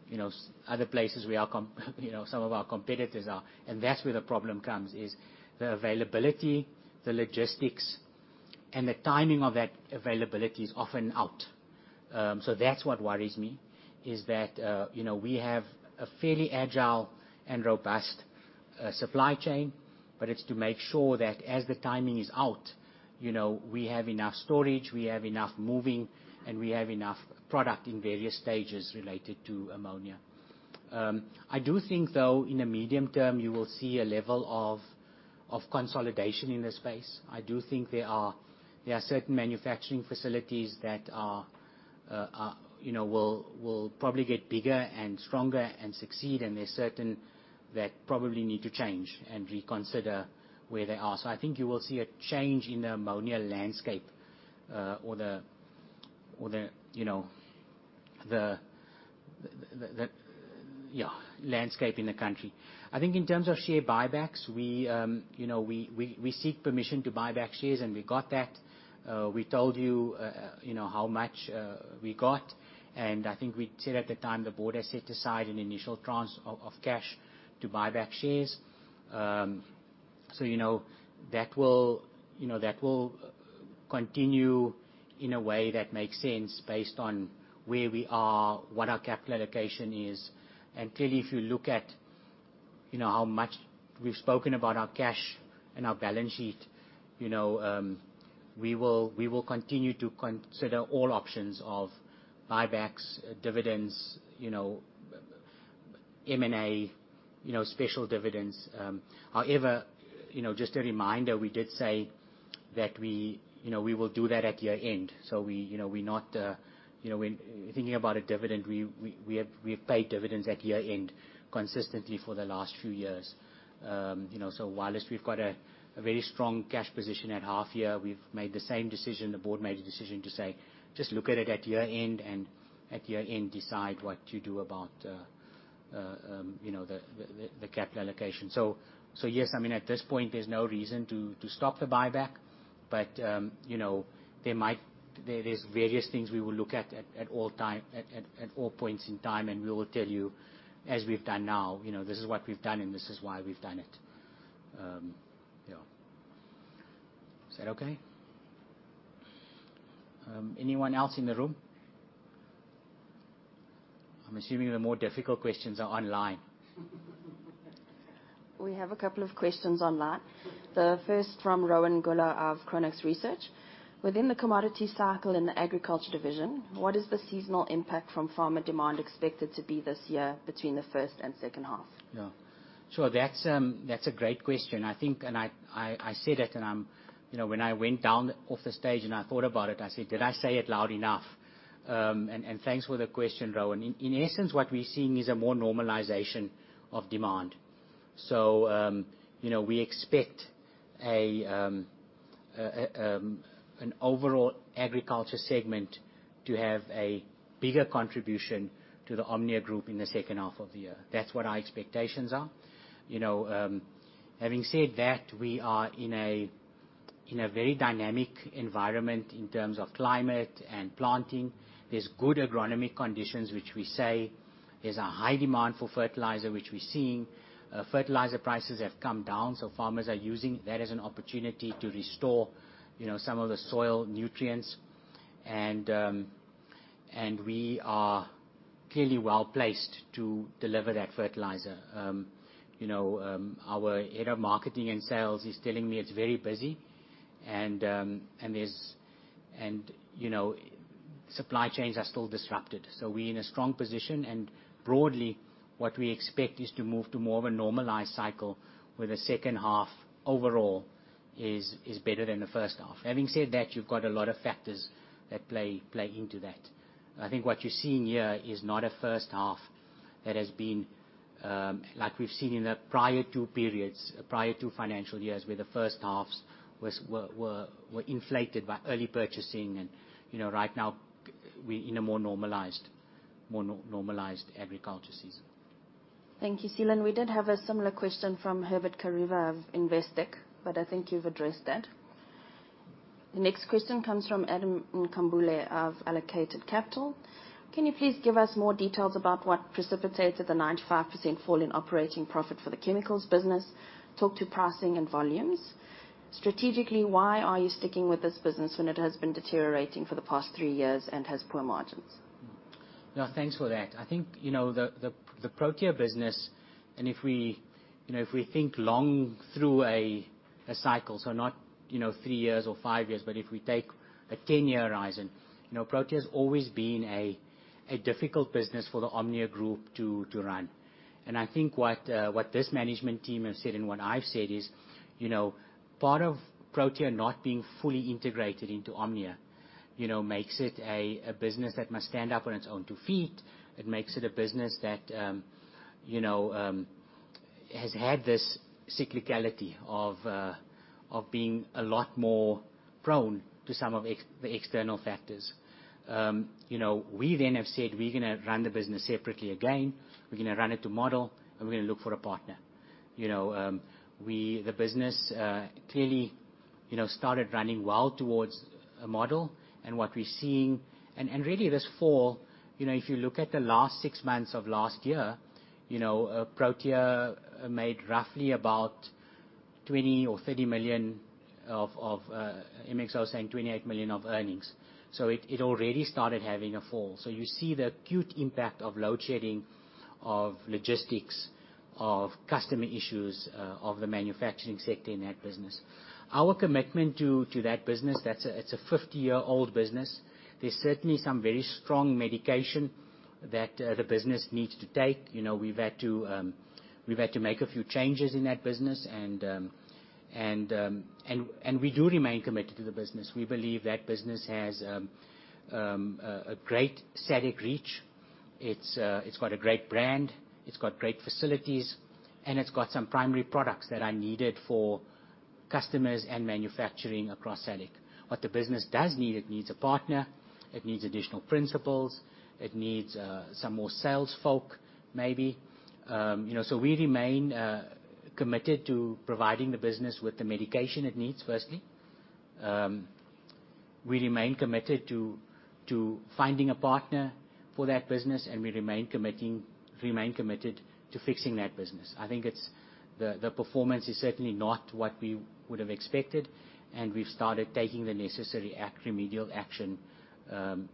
you know, some other places where our competitors are. And that's where the problem comes, is the availability, the logistics, and the timing of that availability is often out. So that's what worries me, is that, you know, we have a fairly agile and robust supply chain, but it's to make sure that as the timing is out, you know, we have enough storage, we have enough moving, and we have enough product in various stages related to ammonia. I do think, though, in the medium term, you will see a level of consolidation in this space. I do think there are certain manufacturing facilities that are, you know, will probably get bigger and stronger and succeed, and there are certain that probably need to change and reconsider where they are. So I think you will see a change in the ammonia landscape, or the, you know, the landscape in the country. I think in terms of share buybacks, we, you know, we seek permission to buy back shares, and we got that. We told you, you know, how much we got, and I think we said at the time, the board has set aside an initial tranche of cash to buy back shares. So, you know, that will, you know, that will continue in a way that makes sense, based on where we are, what our capital allocation is. And clearly, if you look at, you know, how much we've spoken about our cash and our balance sheet, you know, we will, we will continue to consider all options of buybacks, dividends, you know, M&A, you know, special dividends. However, you know, just a reminder, we did say that we, you know, we will do that at year-end. So we, you know, we're not, you know, when thinking about a dividend, we, we, we have, we have paid dividends at year-end consistently for the last few years. You know, so while we've got a very strong cash position at half year, we've made the same decision, the board made a decision to say, "Just look at it at year-end, and at year-end, decide what to do about, you know, the capital allocation." So, yes, I mean, at this point, there's no reason to stop the buyback. But, you know, there might- there is various things we will look at at all time, at all points in time, and we will tell you, as we've done now, you know, this is what we've done and this is why we've done it. Yeah. Is that okay? Anyone else in the room? I'm assuming the more difficult questions are online. We have a couple of questions online. The first from Rowan Goeller of Chronux Research: Within the commodity cycle in the agriculture division, what is the seasonal impact from farmer demand expected to be this year between the first and second half? Yeah. So that's a great question. I think and I said it, and I'm... You know, when I went down off the stage and I thought about it, I said, "Did I say it loud enough?" And thanks for the question, Rowan. In essence, what we're seeing is a more normalization of demand. So, you know, we expect an overall agriculture segment to have a bigger contribution to the Omnia Group in the second half of the year. That's what our expectations are. You know, having said that, we are in a very dynamic environment in terms of climate and planting. There's good agronomic conditions, which we say there's a high demand for fertilizer, which we're seeing. Fertilizer prices have come down, so farmers are using that as an opportunity to restore, you know, some of the soil nutrients. And we are clearly well-placed to deliver that fertilizer. You know, our head of marketing and sales is telling me it's very busy, and, you know, supply chains are still disrupted. So we're in a strong position, and broadly, what we expect is to move to more of a normalized cycle, where the second half overall is better than the first half. Having said that, you've got a lot of factors that play into that. I think what you're seeing here is not a first half that has been, like we've seen in the prior two periods, prior two financial years, where the first halves were inflated by early purchasing. you know, right now we're in a more normalized agriculture season. Thank you, Seelan. We did have a similar question from Herbert Kharivhe of Investec, but I think you've addressed that. The next question comes from Adam Nkambule of Allocated Capital: Can you please give us more details about what precipitated the 95% fall in operating profit for the chemicals business? Talk to pricing and volumes. Strategically, why are you sticking with this business when it has been deteriorating for the past three years and has poor margins? Yeah, thanks for that. I think, you know, the Protea business, and if we, you know, if we think long through a cycle, so not, you know, three years or five years, but if we take a 10-year horizon, you know, Protea has always been a difficult business for the Omnia group to run. And I think what this management team has said, and what I've said is, you know, part of Protea not being fully integrated into Omnia, you know, makes it a business that must stand up on its own two feet. It makes it a business that, you know, has had this cyclicality of being a lot more prone to some of the external factors. You know, we then have said we're gonna run the business separately again, we're gonna run it to model, and we're gonna look for a partner. You know, we—the business clearly, you know, started running well towards a model, and what we're seeing. And really this fall, you know, if you look at the last six months of last year, you know, Protea made roughly about 20 million or 30 million of EBITDA saying 28 million of earnings. So it already started having a fall. So you see the acute impact of load shedding, of logistics, of customer issues, of the manufacturing sector in that business. Our commitment to that business, that's a, it's a 50-year-old business. There's certainly some very strong medication that the business needs to take. You know, we've had to, we've had to make a few changes in that business, and, and, and we do remain committed to the business. We believe that business has a great SADC reach. It's got a great brand, it's got great facilities, and it's got some primary products that are needed for customers and manufacturing across SADC. What the business does need, it needs a partner, it needs additional principals, it needs some more sales folk, maybe. You know, so we remain committed to providing the business with the medication it needs, firstly. We remain committed to finding a partner for that business, and we remain committed to fixing that business. I think it's the performance is certainly not what we would have expected, and we've started taking the necessary remedial action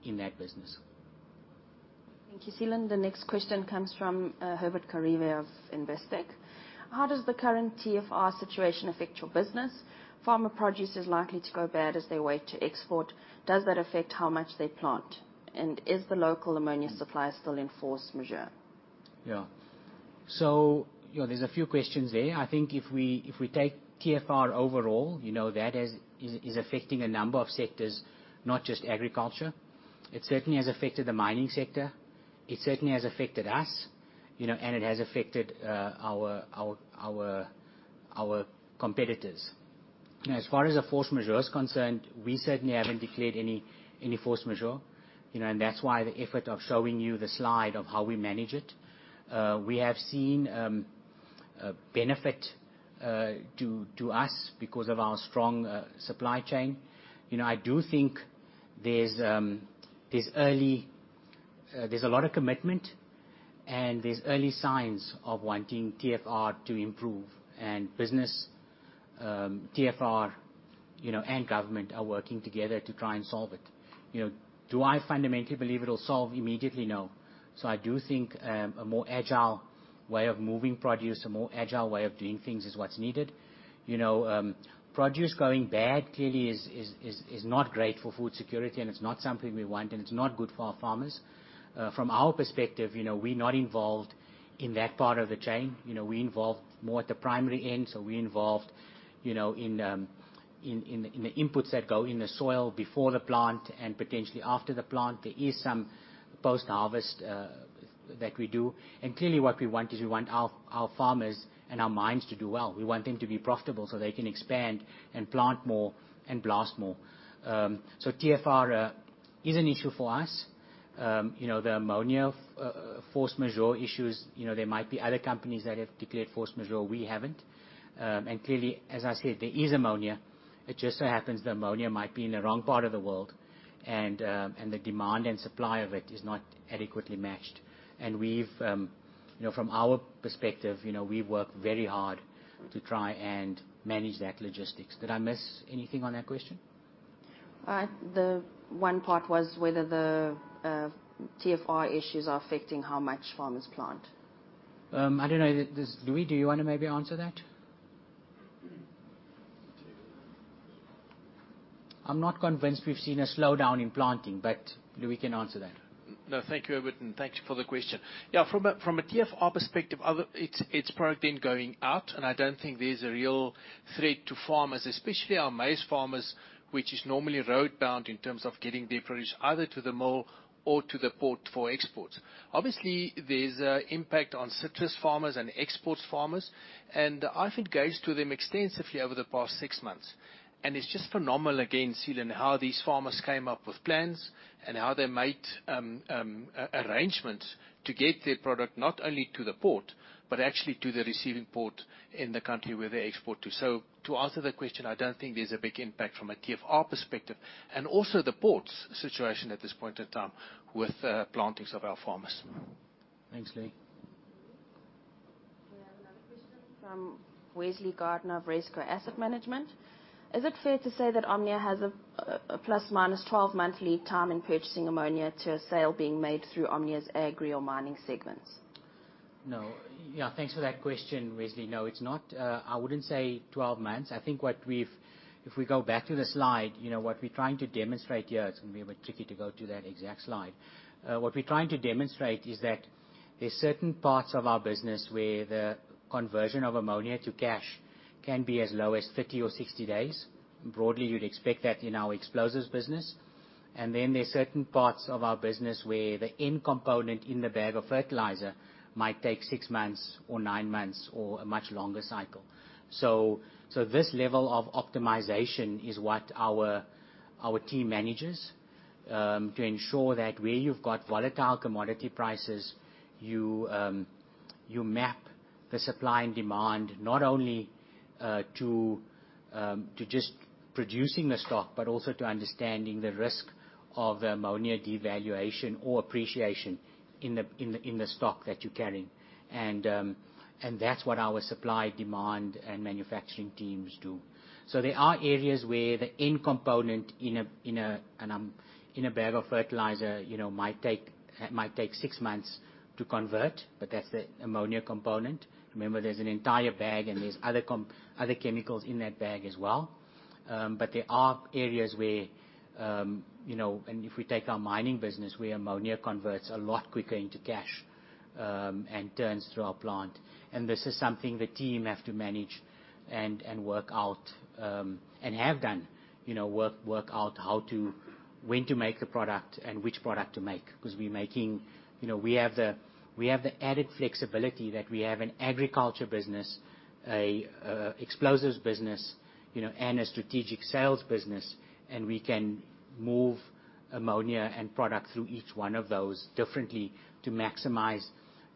in that business. Thank you, Seelan. The next question comes from Herbert Kharivhe of Investec. How does the current TFR situation affect your business? Farmer produce is likely to go bad as they wait to export. Does that affect how much they plant? And is the local ammonia supply still in force majeure? Yeah. So, you know, there's a few questions there. I think if we take TFR overall, you know, that is affecting a number of sectors, not just agriculture. It certainly has affected the mining sector, it certainly has affected us, you know, and it has affected our competitors. You know, as far as a force majeure is concerned, we certainly haven't declared any force majeure, you know, and that's why the effort of showing you the slide of how we manage it. We have seen a benefit to us because of our strong supply chain. You know, I do think there's early... There's a lot of commitment, and there's early signs of wanting TFR to improve, and business, TFR, you know, and government are working together to try and solve it. You know, do I fundamentally believe it'll solve immediately? No. So I do think a more agile way of moving produce, a more agile way of doing things is what's needed. You know, produce going bad clearly is not great for food security, and it's not something we want, and it's not good for our farmers. From our perspective, you know, we're not involved in that part of the chain. You know, we involved more at the primary end, so we involved, you know, in the inputs that go in the soil before the plant and potentially after the plant. There is some post-harvest that we do. And clearly, what we want is, we want our farmers and our mines to do well. We want them to be profitable so they can expand and plant more and blast more. So TFR is an issue for us. You know, the ammonia force majeure issues, you know, there might be other companies that have declared force majeure, we haven't. And clearly, as I said, there is ammonia. It just so happens the ammonia might be in the wrong part of the world, and, and the demand and supply of it is not adequately matched. And we've, you know, from our perspective, you know, we work very hard to try and manage that logistics. Did I miss anything on that question? The one part was whether the TFR issues are affecting how much farmers plant. I don't know. Louis, do you wanna maybe answer that? I'm not convinced we've seen a slowdown in planting, but Louis can answer that. No, thank you, Herbert, and thank you for the question. Yeah, from a TFR perspective, it's product then going out, and I don't think there's a real threat to farmers, especially our maize farmers, which is normally roadbound in terms of getting their produce either to the mill or to the port for export. Obviously, there's an impact on citrus farmers and export farmers, and I think goes to them extensively over the past six months. And it's just phenomenal, again, Seelan, how these farmers came up with plans and how they made arrangements to get their product not only to the port but actually to the receiving port in the country where they export to. So to answer the question, I don't think there's a big impact from a TFR perspective, and also the ports situation at this point in time with plantings of our farmers. Thanks, Louis. We have another question from Wesley Gardner of Rezco Asset Management. Is it fair to say that Omnia has a ±12-month lead time in purchasing ammonia to a sale being made through Omnia's agri or mining segments? No. Yeah, thanks for that question, Wesley. No, it's not. I wouldn't say 12 months. I think if we go back to the slide, you know, what we're trying to demonstrate here, it's going to be a bit tricky to go to that exact slide. What we're trying to demonstrate is that there are certain parts of our business where the conversion of ammonia to cash can be as low as 30 or 60 days. Broadly, you'd expect that in our explosives business. And then there are certain parts of our business where the end component in the bag of fertilizer might take 6 months or 9 months, or a much longer cycle. This level of optimization is what our team manages to ensure that where you've got volatile commodity prices, you map the supply and demand, not only to just producing the stock, but also to understanding the risk of the ammonia devaluation or appreciation in the stock that you're carrying. That's what our supply, demand, and manufacturing teams do. There are areas where the end component in a bag of fertilizer, you know, might take six months to convert, but that's the ammonia component. Remember, there's an entire bag, and there's other chemicals in that bag as well. But there are areas where, you know, and if we take our mining business, where ammonia converts a lot quicker into cash, and turns through our plant, and this is something the team have to manage and work out, and have done. You know, work out how to—when to make the product and which product to make. Because we're making, you know, we have the added flexibility that we have an agriculture business, a explosives business, you know, and a strategic sales business, and we can move ammonia and product through each one of those differently to maximize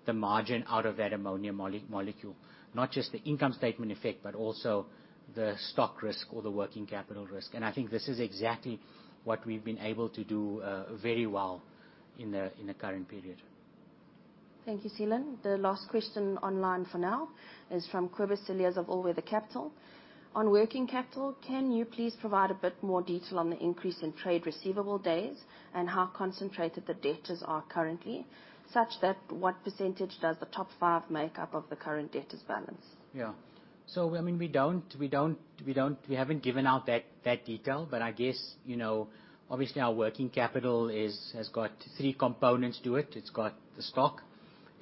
the margin out of that ammonia molecule. Not just the income statement effect, but also the stock risk or the working capital risk. I think this is exactly what we've been able to do very well in the current period. Thank you, Seelan. The last question online for now is from Cobus Wessels of Allweather Capital. On working capital, can you please provide a bit more detail on the increase in trade receivable days and how concentrated the debtors are currently, such that what percentage does the top five make up of the current debtors balance? Yeah. So I mean, we don't - we haven't given out that detail. But I guess, you know, obviously, our working capital has got three components to it. It's got the stock,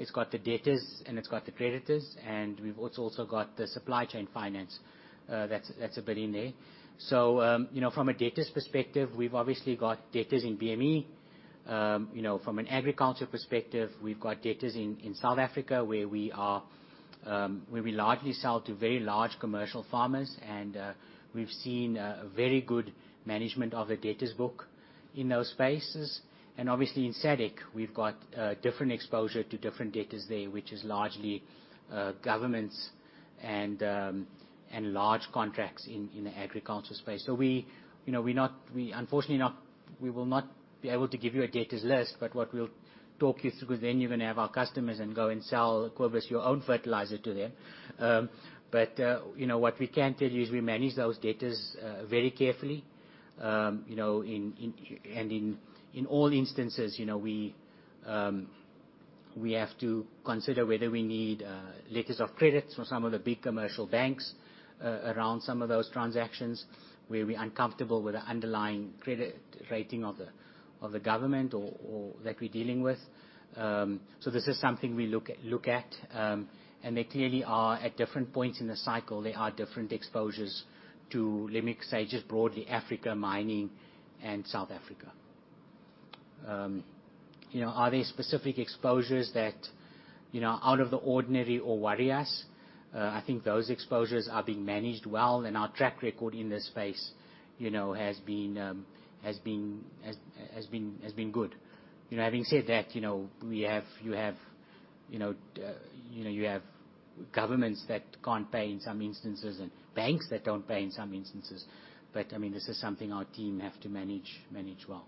it's got the debtors, and it's got the creditors, and we've also got the supply chain finance that's a bit in there. So, you know, from a debtors perspective, we've obviously got debtors in BME. You know, from an agriculture perspective, we've got debtors in South Africa, where we are where we largely sell to very large commercial farmers, and we've seen a very good management of the debtors book in those spaces. And obviously, in SADC, we've got different exposure to different debtors there, which is largely governments and large contracts in the agriculture space. So we, you know, unfortunately will not be able to give you a debtors list, but what we'll talk you through, because then you're going to have our customers and go and sell, quote, "your own fertilizer to them." But you know, what we can tell you is, we manage those debtors very carefully. You know, in all instances, you know, we have to consider whether we need letters of credit from some of the big commercial banks around some of those transactions, where we're uncomfortable with the underlying credit rating of the government or that we're dealing with. So this is something we look at, and they clearly are at different points in the cycle. There are different exposures to, let me say, just broadly, Africa, mining, and South Africa. You know, are there specific exposures that, you know, out of the ordinary or worry us? I think those exposures are being managed well, and our track record in this space, you know, has been good. You know, having said that, you know, we have, you have, you know, you know, you have governments that can't pay in some instances, and banks that don't pay in some instances. But, I mean, this is something our team have to manage, manage well.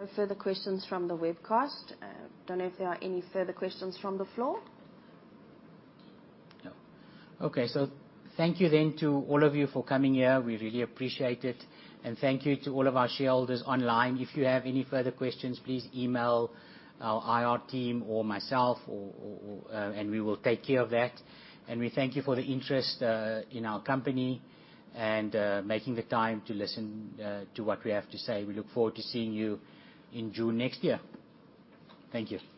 No further questions from the webcast. Don't know if there are any further questions from the floor? No. Okay. So thank you then to all of you for coming here. We really appreciate it, and thank you to all of our shareholders online. If you have any further questions, please email our IR team or myself, and we will take care of that. And we thank you for the interest in our company and making the time to listen to what we have to say. We look forward to seeing you in June next year. Thank you.